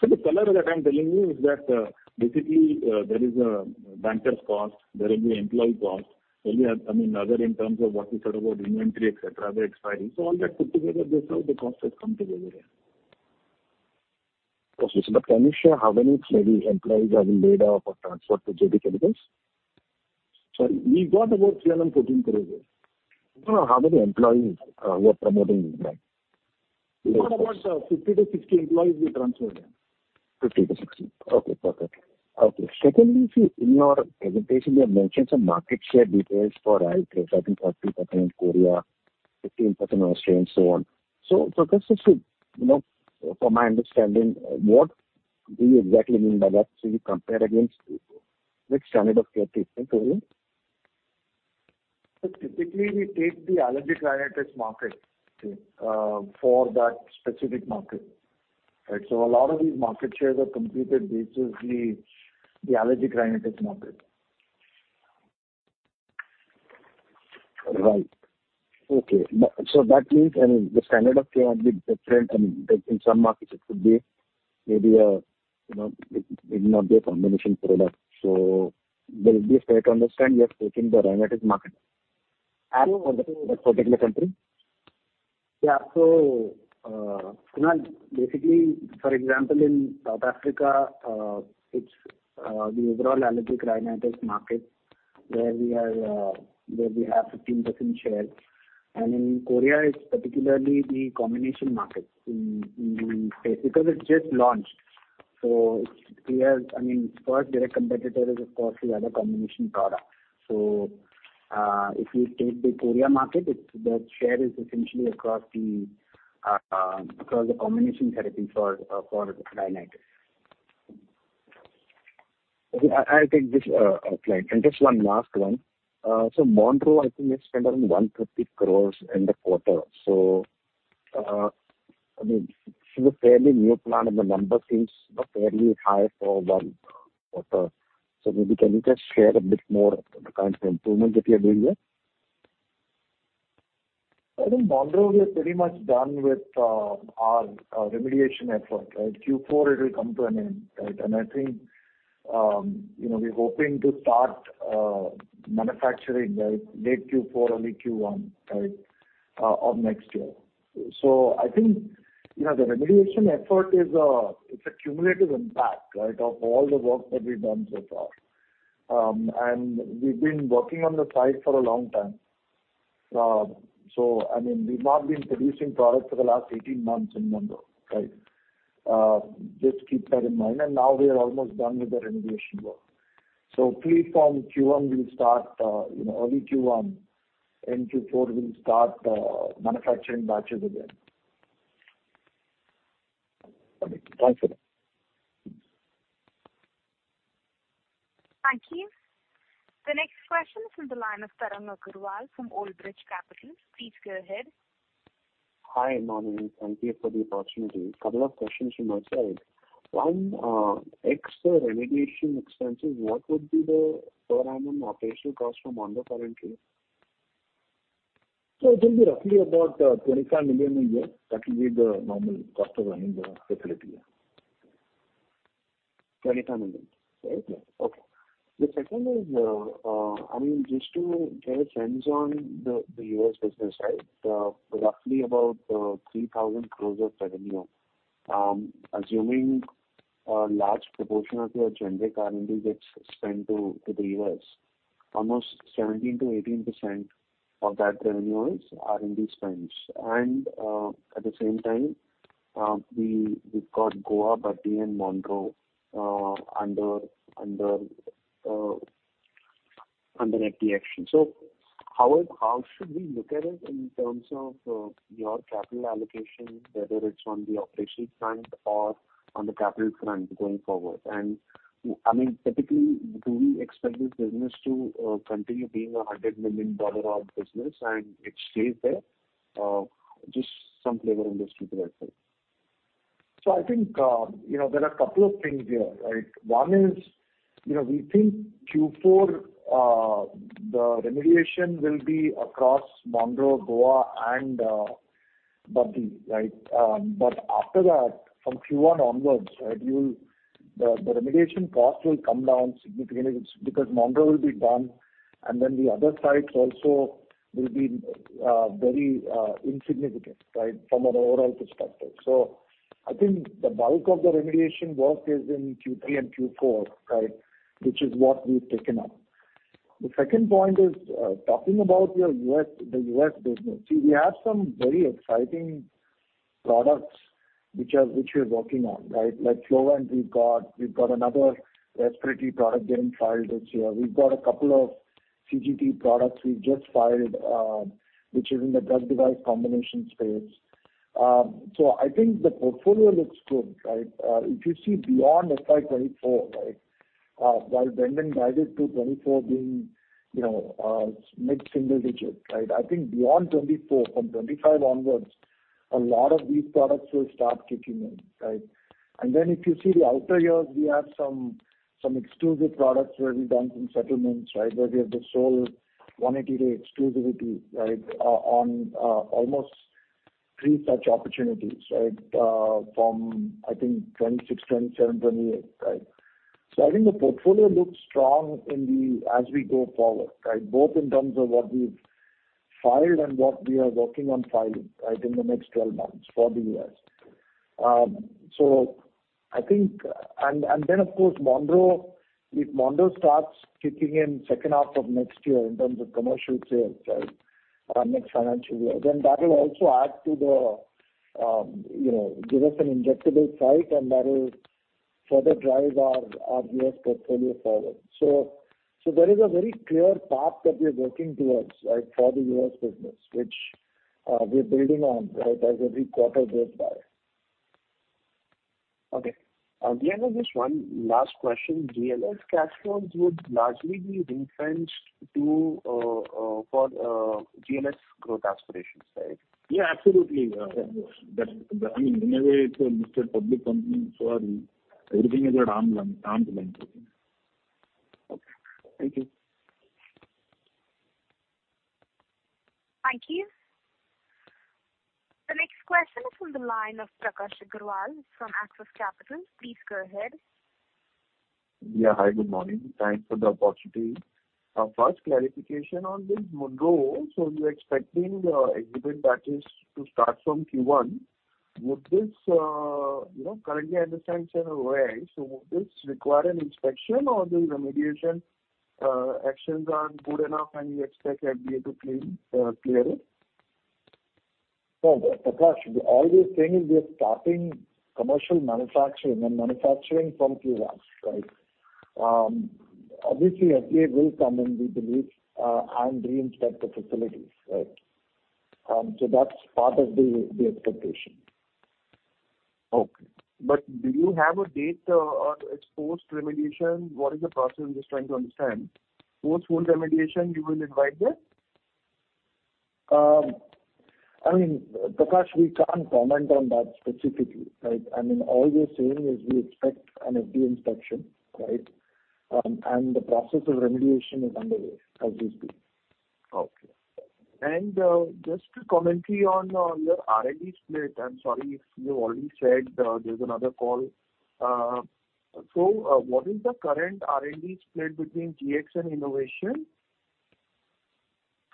The color that I'm telling you is that, basically, there is a banker's cost, there will be employee cost. We have, I mean, other in terms of what we said about inventory, et cetera, they're expiring. All that put together, that's how the cost has come together, yeah. Of course. Can you share how many maybe employees are being laid off or transferred to JB Chemicals? Sorry. We've got about 314 employees. How many employees, we're promoting in that? We've got about, 50 to 60 employees we transferred, yeah. 50 to 60. Okay, perfect. Okay. Secondly, if you in your presentation, you have mentioned some market share details for Ryaltris, I think 40% Korea, 15% Australia, and so on. Just to see, you know, from my understanding, what do you exactly mean by that? You compare against which standard of care treatment, sorry? typically we take the allergic rhinitis Okay. for that specific market. Right. A lot of these market shares are computed basis the allergic rhinitis market. Right. Okay. That means, I mean, the standard of care might be different. I mean, in some markets it could be maybe a you know, it may not be a combination product. There is a fair to understand you are taking the rhinitis market that particular country. Yeah. Kunal, basically, for example, in South Africa, it's the overall allergic rhinitis market where we are, where we have 15% share, and in Korea it's particularly the combination market in basically because it's just launched. I mean, first direct competitor is of course the other combination product. If you take the Korea market, it's the share is essentially across the across the combination therapy for for rhinitis. Okay. I take this, applied. Just one last one. Monroe, I think you spend around 150 crores in the quarter. I mean, it's a fairly new plan, and the number seems fairly high for one quarter. Maybe can you just share a bit more of the kinds of improvements that you're doing there? I think Monroe we are pretty much done with our remediation effort, right? Q4 it'll come to an end, right? I think, you know, we're hoping to start manufacturing by late Q4, early Q1, right, of next year. I think, you know, the remediation effort is, it's a cumulative impact, right, of all the work that we've done so far. We've been working on the site for a long time. I mean, we've not been producing product for the last 18 months in Monroe, right? Just keep that in mind. Now we are almost done with the remediation work. Please from Q1 we'll start, you know, early Q1 and Q4 we'll start manufacturing batches again. Okay. Thanks for that. Thank you. The next question is from the line of Tarang Agrawal from Oldbridge Capital. Please go ahead. Hi, Mandeep. Thank you for the opportunity. A couple of questions from my side. One, ex remediation expenses, what would be the per annum operational cost from Monroe currently? It will be roughly about 25 million a year. That will be the normal cost of running the facility, yeah. $25 million? Right. Okay. The second is, I mean, just to get a sense on the U.S. business, right? Roughly about 3,000 crores of revenue, assuming a large proportion of your generic R&D gets spent to the U.S. Almost 17% to 18% of that revenue is R&D spends. At the same time, we've got Goa, Baddi, and Monroe under FT action. How should we look at it in terms of your capital allocation, whether it's on the operational front or on the capital front going forward? I mean, typically, do we expect this business to continue being a $100 million odd business and it stays there? Just some flavor on this too for that side. I think, you know, there are a couple of things here, right? One is, you know, we think Q4, the remediation will be across Monroe, Goa and Baddi, right? After that, from Q1 onwards, right, you'll the remediation cost will come down significantly. It's because Monroe will be done, and then the other sites also will be very insignificant, right? From an overall perspective. I think the bulk of the remediation work is in Q3 and Q4, right, which is what we've taken up. The second point is talking about your US, the US business. See, we have some very exciting products which are, which we're working on, right? Like Flovent we've got, we've got another respiratory product getting filed this year. We've got a couple of CGT products we've just filed, which is in the drug device combination space. I think the portfolio looks good, right? If you see beyond FY 2024, right, while Brendan O'Grady guided to 2024 being, you know, mid-single digits, right? I think beyond 2024, from 2025 onwards, a lot of these products will start kicking in, right? If you see the outer years, we have some exclusive products where we've done some settlements, right, where we have the sole 180-day exclusivity, right, on almost 3 such opportunities, right, from, I think 2026, 2027, 2028, right. I think the portfolio looks strong as we go forward, right, both in terms of what we've filed and what we are working on filing, right, in the next 12 months for the US. Of course, Monroe, if Monroe starts kicking in second half of next year in terms of commercial sales, right, next financial year, then that will also add to the, you know, give us an injectable site, and that will further drive our US portfolio forward. There is a very clear path that we're working towards, right, for the US business, which, we're building on, right, as every quarter goes by. Okay. Again, just one last question. GLS cash flows would largely be ring-fenced to for GLS growth aspirations, right? Absolutely. That's, I mean, anyway, it's a listed public company, so everything is at arm's length. Okay. Thank you. Thank you. The next question is from the line of Prakash Agarwal from Axis Capital. Please go ahead. Yeah. Hi, good morning. Thanks for the opportunity. First clarification on this Monroe. You're expecting exhibit batches to start from Q1. Would this, you know, currently I understand it's an OAI, so would this require an inspection or the remediation actions aren't good enough and you expect FDA to clean clear it? Prakash, all we're saying is we are starting commercial manufacturing and manufacturing from Q1, right? Obviously, FDA will come in, we believe, and re-inspect the facilities, right? That's part of the expectation. Okay. Do you have a date, it's post-remediation. What is the process? I'm just trying to understand. Post full remediation you will invite them? I mean, Prakash, we can't comment on that specifically, right? I mean, all we're saying is we expect an FDA inspection, right? The process of remediation is underway as we speak. Okay. Just a commentary on the R&D split. I'm sorry if you've already said, there's another call. What is the current R&D split between GX and innovation?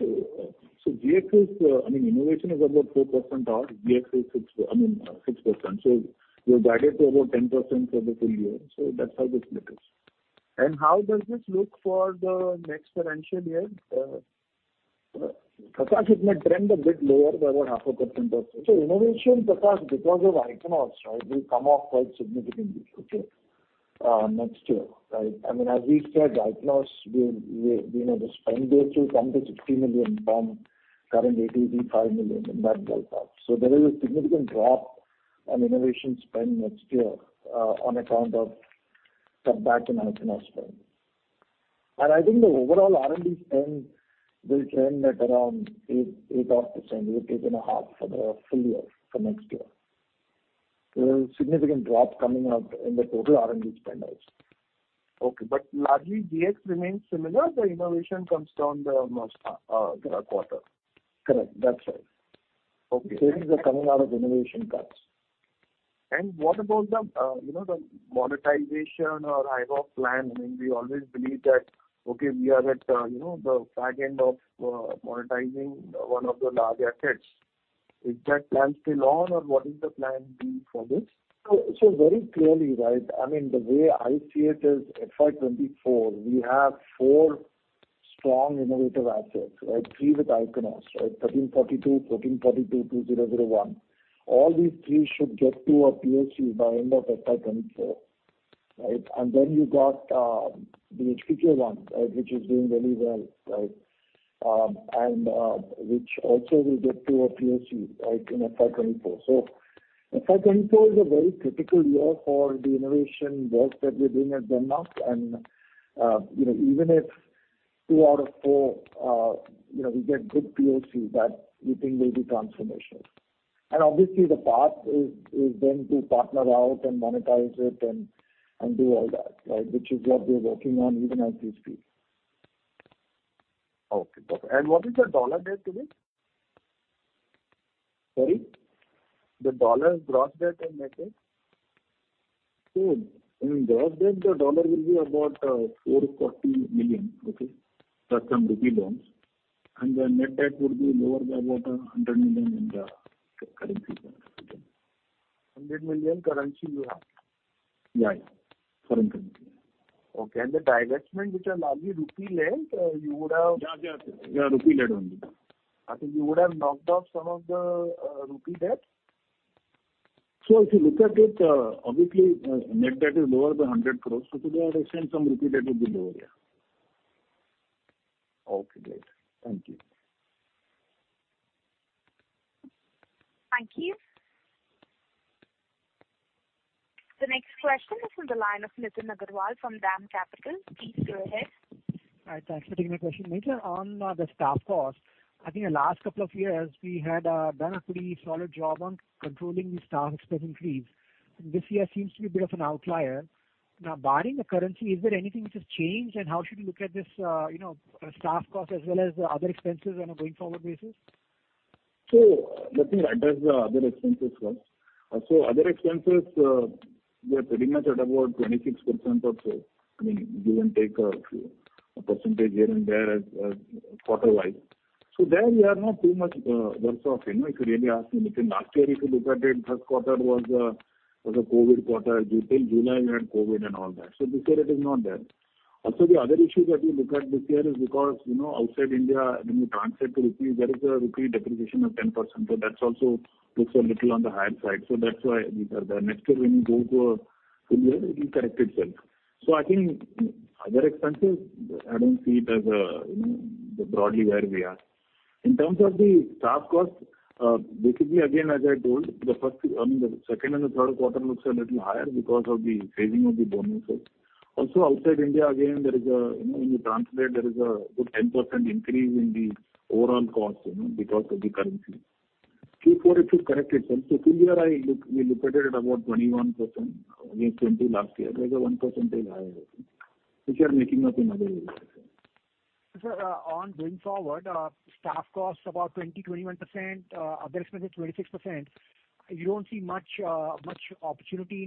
GX is innovation is about 4% of GX is 6%. We've guided to about 10% for the full year. That's how the split is. How does this look for the next financial year? Prakash, it may trend a bit lower by about half a percent or so. Innovation, Prakash, because of Ichnos, right, will come off quite significantly, okay, next year, right? I mean, as we said, Ichnos will, you know, the spend there to come to $60 million from current $85 million in that build up. There is a significant drop on innovation spend next year, on account of some back in Ichnos spend. I think the overall R&D spend will trend at around 8% odd, 8.5% for the full year for next year. There is a significant drop coming out in the total R&D spend also. Okay. Largely GX remains similar. The innovation comes down the quarter. Correct. That's right. Okay. It is the coming out of innovation cuts. What about the, you know, the monetization or IPO plan? I mean, we always believe that, okay, we are at, you know, the back end of monetizing one of the large assets. Is that plan still on or what is the plan B for this? Very clearly, right, I mean, the way I see it is FY 2024 we have 4 strong innovative assets, right? 3 with Ichnos, right, GBR 1342, ISB 1442, ISB 2001. All these 3 should get to a POC by end of FY 2024, right? Then you got the HQONE, right, which is doing very well, right, and which also will get to a POC, right, in FY 2024. FY 2024 is a very critical year for the innovation work that we're doing at Glenmark and, you know, even if 2 out of 4, you know, we get good POC that we think will be transformational. Obviously the path is then to partner out and monetize it and do all that, right, which is what we're working on even as we speak. Okay. Got it. What is your dollar debt today? Sorry. The dollar gross debt and net debt. In gross debt the dollar will be about $440 million. Okay. Plus some rupee loans. The net debt would be lower by about $100 million in the currency loans. INR 100 million currency loans. Yeah. Yeah. Foreign currency. Okay. The divestment which are largely rupee lent. Yeah, rupee lent only. Okay. You would have knocked off some of the rupee debt? If you look at it, obviously, net debt is lower by 100 crores. To that extent some INR debt would be lower, yeah. Okay, great. Thank you. Thank you. The next question is from the line of Nitin Agarwal from DAM Capital. Please go ahead. All right, thanks for taking my question. Nitin. On the staff cost, I think in the last couple of years, we had done a pretty solid job on controlling the staff expense increase. This year seems to be a bit of an outlier. Barring the currency, is there anything which has changed, and how should we look at this, you know, kind of staff cost as well as other expenses on a going forward basis? Let me address the other expenses first. Other expenses, we are pretty much at about 26% or so. I mean, give and take a percentage here and there as quarter wise. There we are not too much worse off, you know. If you really ask me, I think last year if you look at it, first quarter was a COVID quarter. Till July we had COVID and all that. This year it is not there. Also, the other issue that we look at this year is because, you know, outside India, when you translate to rupee, there is a rupee depreciation of 10%. That's also looks a little on the higher side. That's why these are there. Next year when you go to a full year, it will correct itself. I think other expenses, I don't see it as a, you know, broadly where we are. In terms of the staff costs, basically again, as I told the first, I mean the second and the Q3 looks a little higher because of the phasing of the bonuses. Also outside India, again, there is a, you know, when you translate there is a good 10% increase in the overall cost, you know, because of the currency. Q4 it will correct itself. Full year I look, we look at it at about 21% against 20 last year. There's a one percentage higher, I think, which are making up in other areas. Sir, on going forward, staff costs about 21%, other expenses 26%. You don't see much, much opportunity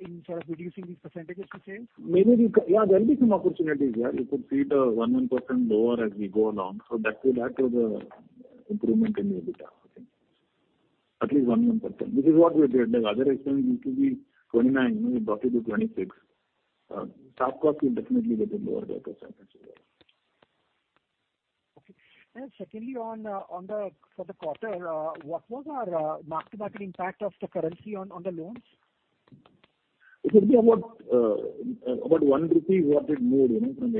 in sort of reducing these percentages, you say? Yeah, there'll be some opportunities there. You could see it 1% lower as we go along. That will improvement in the EBITDA, I think. At least 1%. This is what we did. The other expense used to be 29, we brought it to 26. Staff cost will definitely get lower than 10% as well. Okay. Secondly, on the, for the quarter, what was our mark-to-market impact of the currency on the loans? It will be about 1 rupee. What it moved, you know, from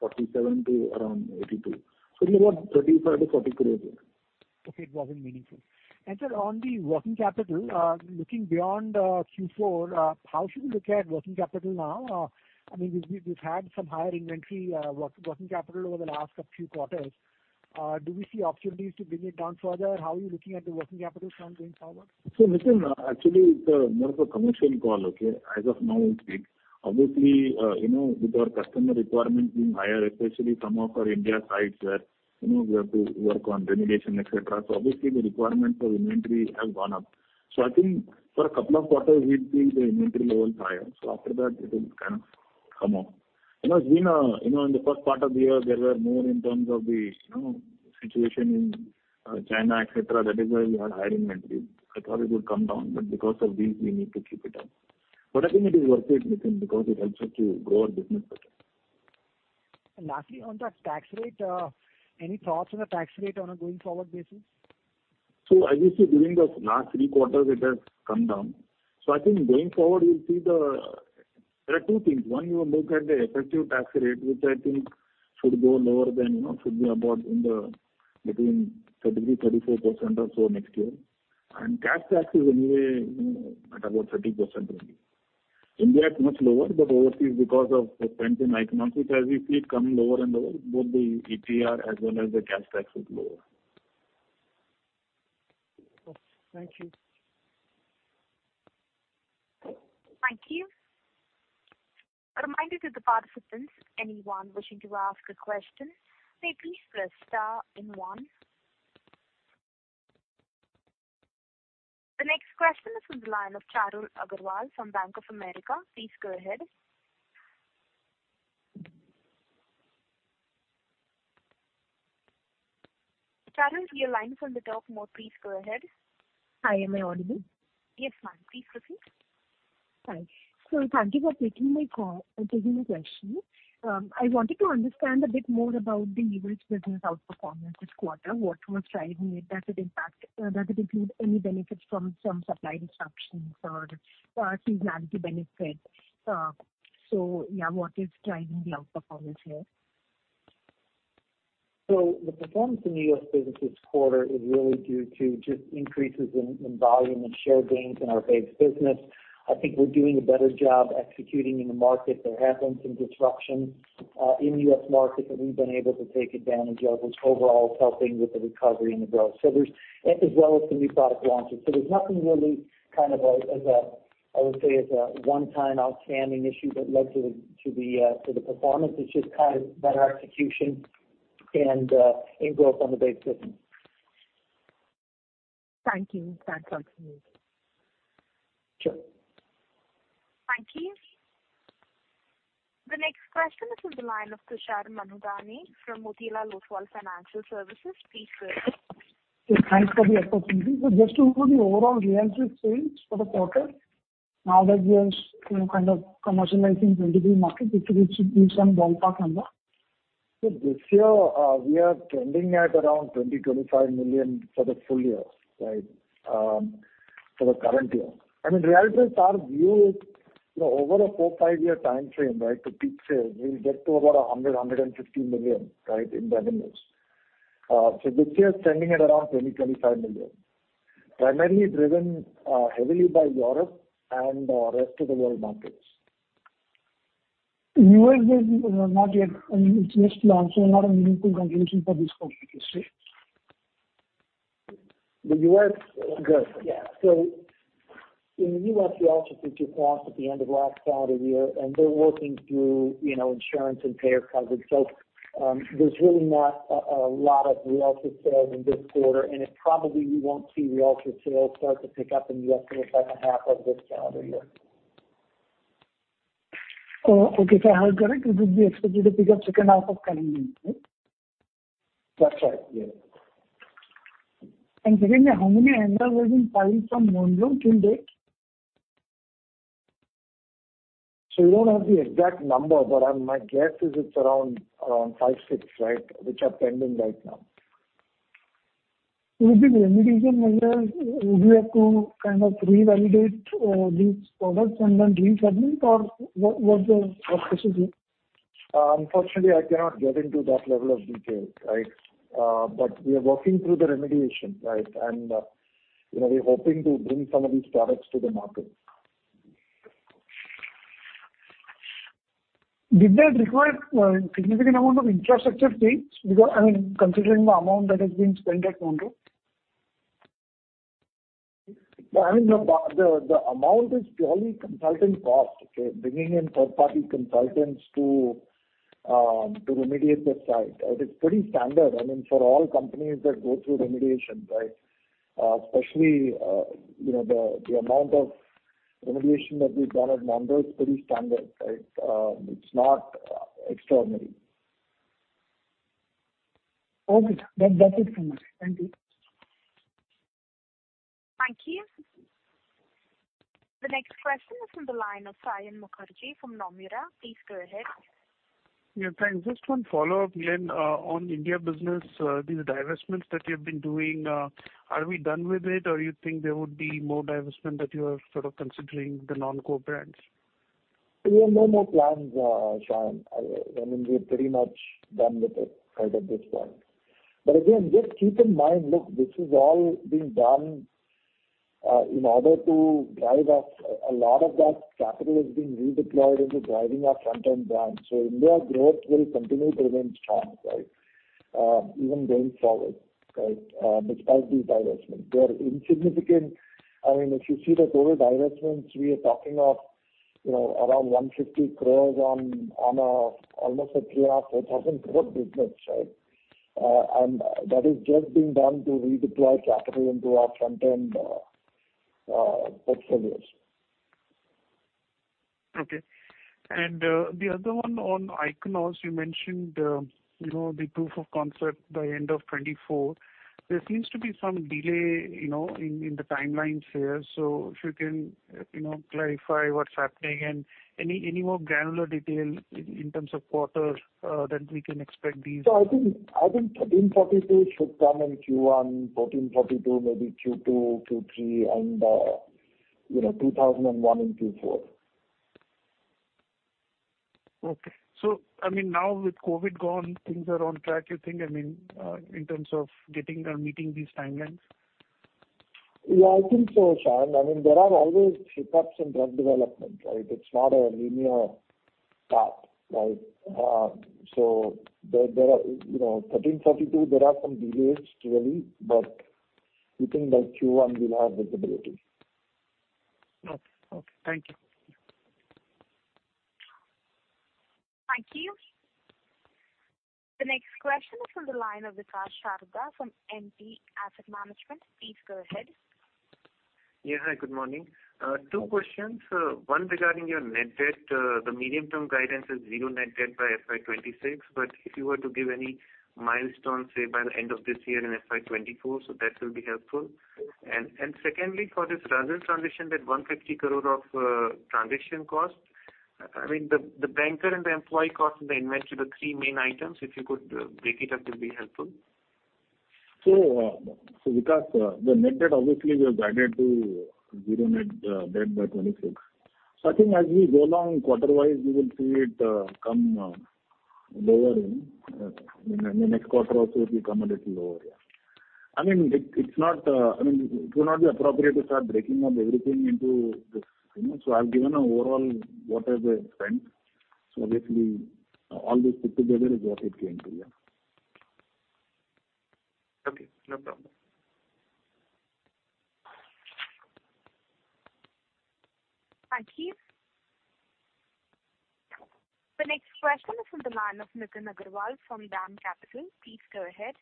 81.47 to around 82. It's about 35-40 crores here. Okay. It wasn't meaningful. Sir, on the working capital, looking beyond Q4, how should we look at working capital now? I mean, we've had some higher inventory, working capital over the last few quarters. Do we see opportunities to bring it down further? How are you looking at the working capital from going forward? Nitin, actually it's a more of a commercial call, okay? As of now I would say. Obviously, you know, with our customer requirement being higher, especially some of our India sites where, you know, we have to work on remediation, et cetera. Obviously the requirement for inventory have gone up. I think for a couple of quarters we've seen the inventory levels higher. After that it will kind of come up. You know, it's been a, you know, in the first part of the year there were more in terms of the, you know, situation in China, et cetera. That is why we had higher inventory. I thought it would come down, because of these we need to keep it up. I think it is worth it, Nitin, because it helps us to grow our business better. Lastly, on the tax rate, any thoughts on the tax rate on a going forward basis? As you see, during the last 3 quarters it has come down. I think going forward you'll see. There are two things. One, you look at the effective tax rate, which I think should go lower than, you know, should be about in the between 30%-34% or so next year. Cash tax is anyway, you know, at about 30% only. India is much lower, but overseas because of the pension Ichnos, which as we see it coming lower and lower, both the ETR as well as the cash tax is lower. Okay. Thank you. Thank you. A reminder to the participants, anyone wishing to ask a question, may please press star and one. The next question is from the line of Charul Agarwal from Bank of America. Please go ahead. Charul, your line from the top. Please go ahead. Hi, am I audible? Yes, ma'am. Please proceed. Thanks. Thank you for taking my call, taking my question. I wanted to understand a bit more about the US business outperformance this quarter. What was driving it? Does it impact, does it include any benefits from supply disruptions or seasonality benefits? Yeah, what is driving the outperformance here? The performance in US business this quarter is really due to just increases in volume and share gains in our base business. I think we're doing a better job executing in the market. There has been some disruption in US market that we've been able to take advantage of, which overall is helping with the recovery and the growth. As well as the new product launches. There's nothing really as a one-time outstanding issue that led to the performance. It's just kind of better execution and growth on the base business. Thank you. Thanks much. Sure. Thank you. The next question is from the line of Tushar Manudhane from Motilal Oswal Financial Services. Please go ahead. Yes, thanks for the opportunity. Just to go to the overall Ryaltris sales for the quarter, now that you are you know, kind of commercializing 23 markets, if you could give some ballpark number? This year, we are trending at around $20 to 25 million for the full year. For the current year, Ryaltris, our view is over a 4 to 5 year time frame to peak sales, we'll get to about $100 to 150 million in revenues. This year standing at around $20 to 25 million, primarily driven heavily by Europe and the rest of the world markets. U.S. is not yet. I mean, it's just launched, so not a meaningful conclusion for this The U.S. Go ahead. In the US, we also took a pause at the end of last calendar year, and we're working through, you know, insurance and payer coverage. There's really not a lot of Ryaltris sales in this quarter, and it probably we won't see Ryaltris sales start to pick up in the US till the second half of this calendar year. Okay. I heard correct, it would be expected to pick up second half of current year. That's right. Yeah. Secondly, how many ANDA were being filed from Monroe till date? We don't have the exact number, but my guess is it's around five, six, which are pending right now. Will the remediation measure, would we have to kind of revalidate, these products and then resubmit or what's the procedure? Unfortunately, I cannot get into that level of detail. Right. We are working through the remediation, right? You know, we're hoping to bring some of these products to the market. Did that require significant amount of infrastructure change? I mean, considering the amount that has been spent at Monroe. I mean, the amount is purely consulting cost. Okay. Bringing in third-party consultants to remediate the site. It is pretty standard, I mean, for all companies that go through remediation, right? Especially, you know, the amount of remediation that we've done at Monroe is pretty standard, right? It's not extraordinary. Okay. That's it from me. Thank you. Thank you. The next question is from the line of Saion Mukherjee from Nomura. Please go ahead. Thanks. Just one follow-up, Glenn. On India business, these divestments that you've been doing, are we done with it or you think there would be more divestment that you are sort of considering the non-core brands? We have no more plans, Sayan. I mean, we're pretty much done with it right at this point. Again, just keep in mind, look, this is all being done in order to drive us. A lot of that capital is being redeployed into driving our front-end brands. India growth will continue to remain strong even going forward despite these divestments. They are insignificant. I mean, if you see the total divestments, we are talking of, you know, around 150 crores on almost a 3,500-4,000 crore business. That is just being done to redeploy capital into our front-end portfolios. Okay. The other one on Ichnos, you mentioned, you know, the proof of concept by end of 2024. There seems to be some delay, you know, in the timelines here. If you can, you know, clarify what's happening and any more granular detail in terms of quarters that we can expect these. I think GBR 1342 should come in Q1, ISB 1442 maybe Q2, Q3, and you know, 2001 in Q4. Okay. I mean, now with COVID gone, things are on track, you think, I mean, in terms of getting or meeting these timelines? Yeah, I think so, Sayan. I mean, there are always hiccups in drug development, right? It's not a linear path, right? There are, you know, GBR 1342, there are some delays really, but we think by Q1 we'll have visibility. Okay. Okay. Thank you. Thank you. The next question is from the line of Vikas Sharada from MP Asset Management. Please go ahead. Yeah. Hi, good morning. Two questions. One regarding your net debt. The medium-term guidance is zero net debt by FY 2026, if you were to give any milestones, say by the end of this year in FY 2024, so that will be helpful. Secondly, for this Ichnos transition, that 150 crore of transition cost, I mean, the banker and the employee cost and the inventory, the three main items, if you could break it up, it'd be helpful. Vikas, the net debt obviously we have guided to zero net debt by 2026. I think as we go along quarter-wise, you will see it come lowering. In the next quarter also it will come a little lower. I mean, it's not, I mean, it will not be appropriate to start breaking up everything into this, you know. I've given a overall what are the spend. Obviously all this put together is what it came to. Yeah. Okay. No problem. Thank you. The next question is from the line of Nitin Agarwal from DAM Capital. Please go ahead.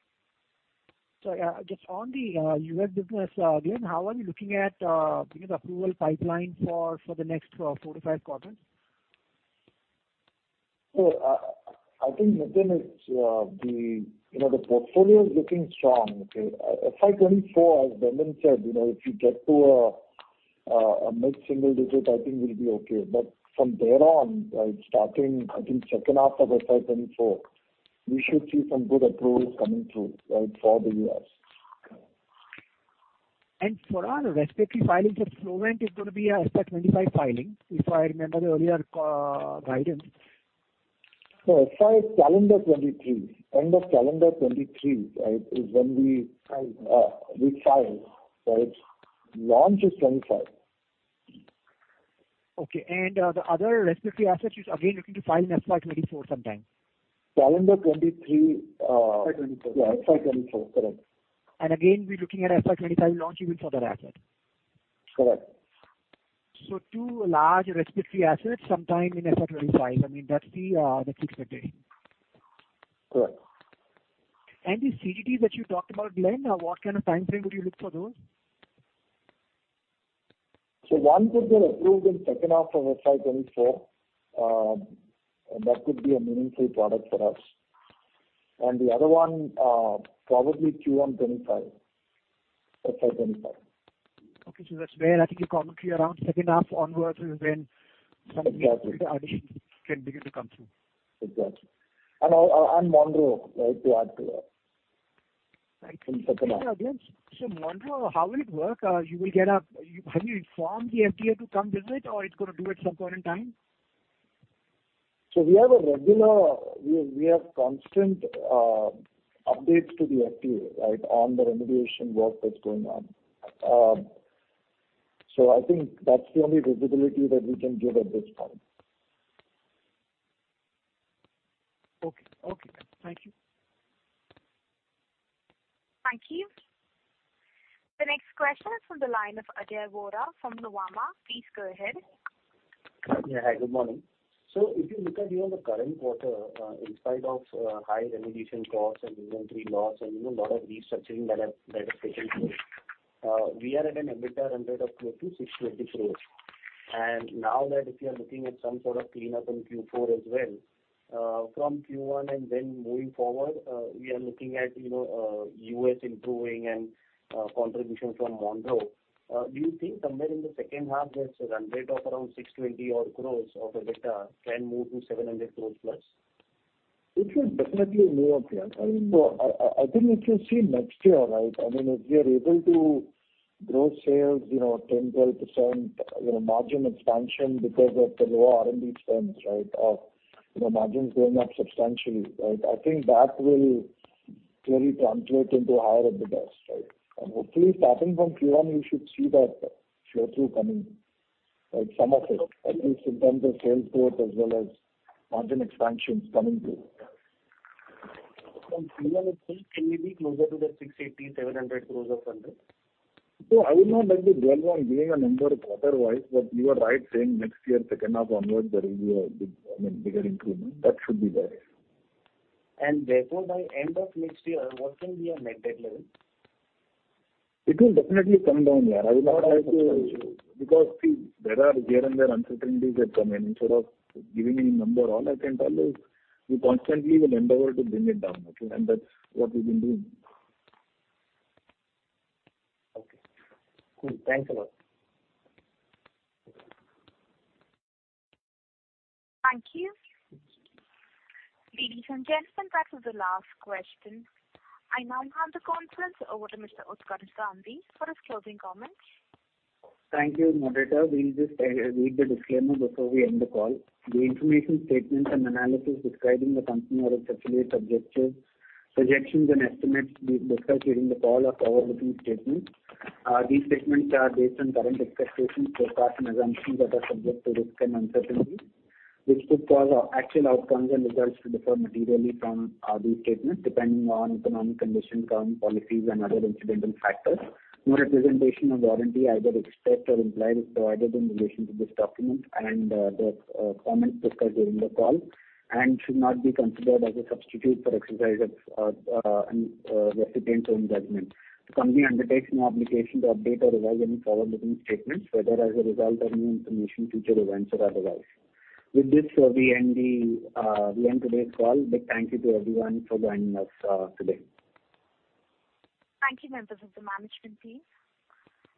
Just on the U.S. business, Glen, how are you looking at, you know, the approval pipeline for the next four to five quarters? I think, Nitin, it's, you know, the portfolio is looking strong. Okay. FY 2024, as Mani said, you know, if you get to a mid-single digit, I think we'll be okay. From there on, right, starting I think second half of FY 2024, we should see some good approvals coming through, right, for the U.S. For our respiratory filings of Flovent, it's going to be a FY25 filing, if I remember the earlier guidance. No, FY calendar 2023. End of calendar 2023, right, is when we- File. we file, right. Launch is 25. Okay. The other respiratory asset, you're again looking to file in FY 2024 sometime. Calendar 2023. FY 2024. Yeah, FY 2024. Correct. Again, we're looking at FY 25 launch even for that asset. Correct. 2 large respiratory assets sometime in FY 25. I mean, that's the target. Correct. The CGTs that you talked about, Glen, what kind of timeframe would you look for those? One could get approved in second half of FY 2024. That could be a meaningful product for us. The other one, probably Q1 2025. FY 2025. Okay. That's where I think you're commenting around second half onwards is when- Exactly. some of the additional can begin to come through. Exactly. Monroe, right, to add to that. Thank you. In second half. Monroe, how will it work? Have you informed the FDA to come visit or it's gonna do it some point in time? We have constant updates to the FDA, right, on the remediation work that's going on. I think that's the only visibility that we can give at this point. Okay. Okay. Thank you. Thank you. The next question is from the line of Ajay Vora from Motilal Oswal. Please go ahead. Yeah. Hi, good morning. If you look at, you know, the current quarter, in spite of high remediation costs and inventory loss and, you know, lot of restructuring that has taken place, we are at an EBITDA run rate of close to 620 crores. Now that if you are looking at some sort of cleanup in Q4 as well, from Q1 and then moving forward, we are looking at, you know, U.S. improving and contribution from Monroe. Do you think somewhere in the second half that run rate of around 620 odd crores of EBITDA can move to 700 crores plus? It will definitely move, yeah. I mean, I think if you see next year, right, I mean, if we are able to grow sales, you know, 10%, 12%, you know, margin expansion because of the lower R&D spends, right, you know, margins going up substantially, right? I think that will clearly translate into higher EBITDA, right? Hopefully starting from Q1, you should see that flow-through coming, right? Some of it, at least in terms of sales growth as well as margin expansion coming through. From Q1 itself, can we be closer to the 680 crore, 700 crore of run rate? I would not like to dwell on giving a number quarter-wise, but you are right saying next year second half onwards there will be a big, I mean, bigger improvement. Should be there, yeah. Therefore by end of next year, what can be our net debt level? It will definitely come down. Yeah. I will not like to- Substantially. See, there are here and there uncertainties that come in. Instead of giving any number, all I can tell is we constantly will endeavor to bring it down. Okay? That's what we've been doing. Okay. Cool. Thanks a lot. Thank you. Ladies and gentlemen, that was the last question. I now hand the conference over to Mr. Utkarsh Gandhi for his closing comments. Thank you, moderator. We'll just read the disclaimer before we end the call. The information, statements, and analysis describing the company or its subsidiary's objectives, projections, and estimates discussed during the call are forward-looking statements. These statements are based on current expectations, forecasts, and assumptions that are subject to risks and uncertainties, which could cause actual outcomes and results to differ materially from these statements depending on economic conditions, government policies and other incidental factors. No representation or warranty, either expressed or implied, is provided in relation to this document and the comments discussed during the call and should not be considered as a substitute for exercise of an recipient's own judgment. The company undertakes no obligation to update or revise any forward-looking statements, whether as a result of new information, future events or otherwise. With this, we end today's call. Big thank you to everyone for joining us today. Thank you, members of the management team.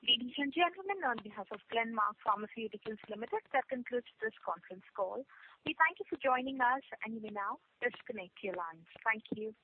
Ladies and gentlemen, on behalf of Glenmark Pharmaceuticals Limited, that concludes this conference call. We thank you for joining us, and you may now disconnect your lines. Thank you.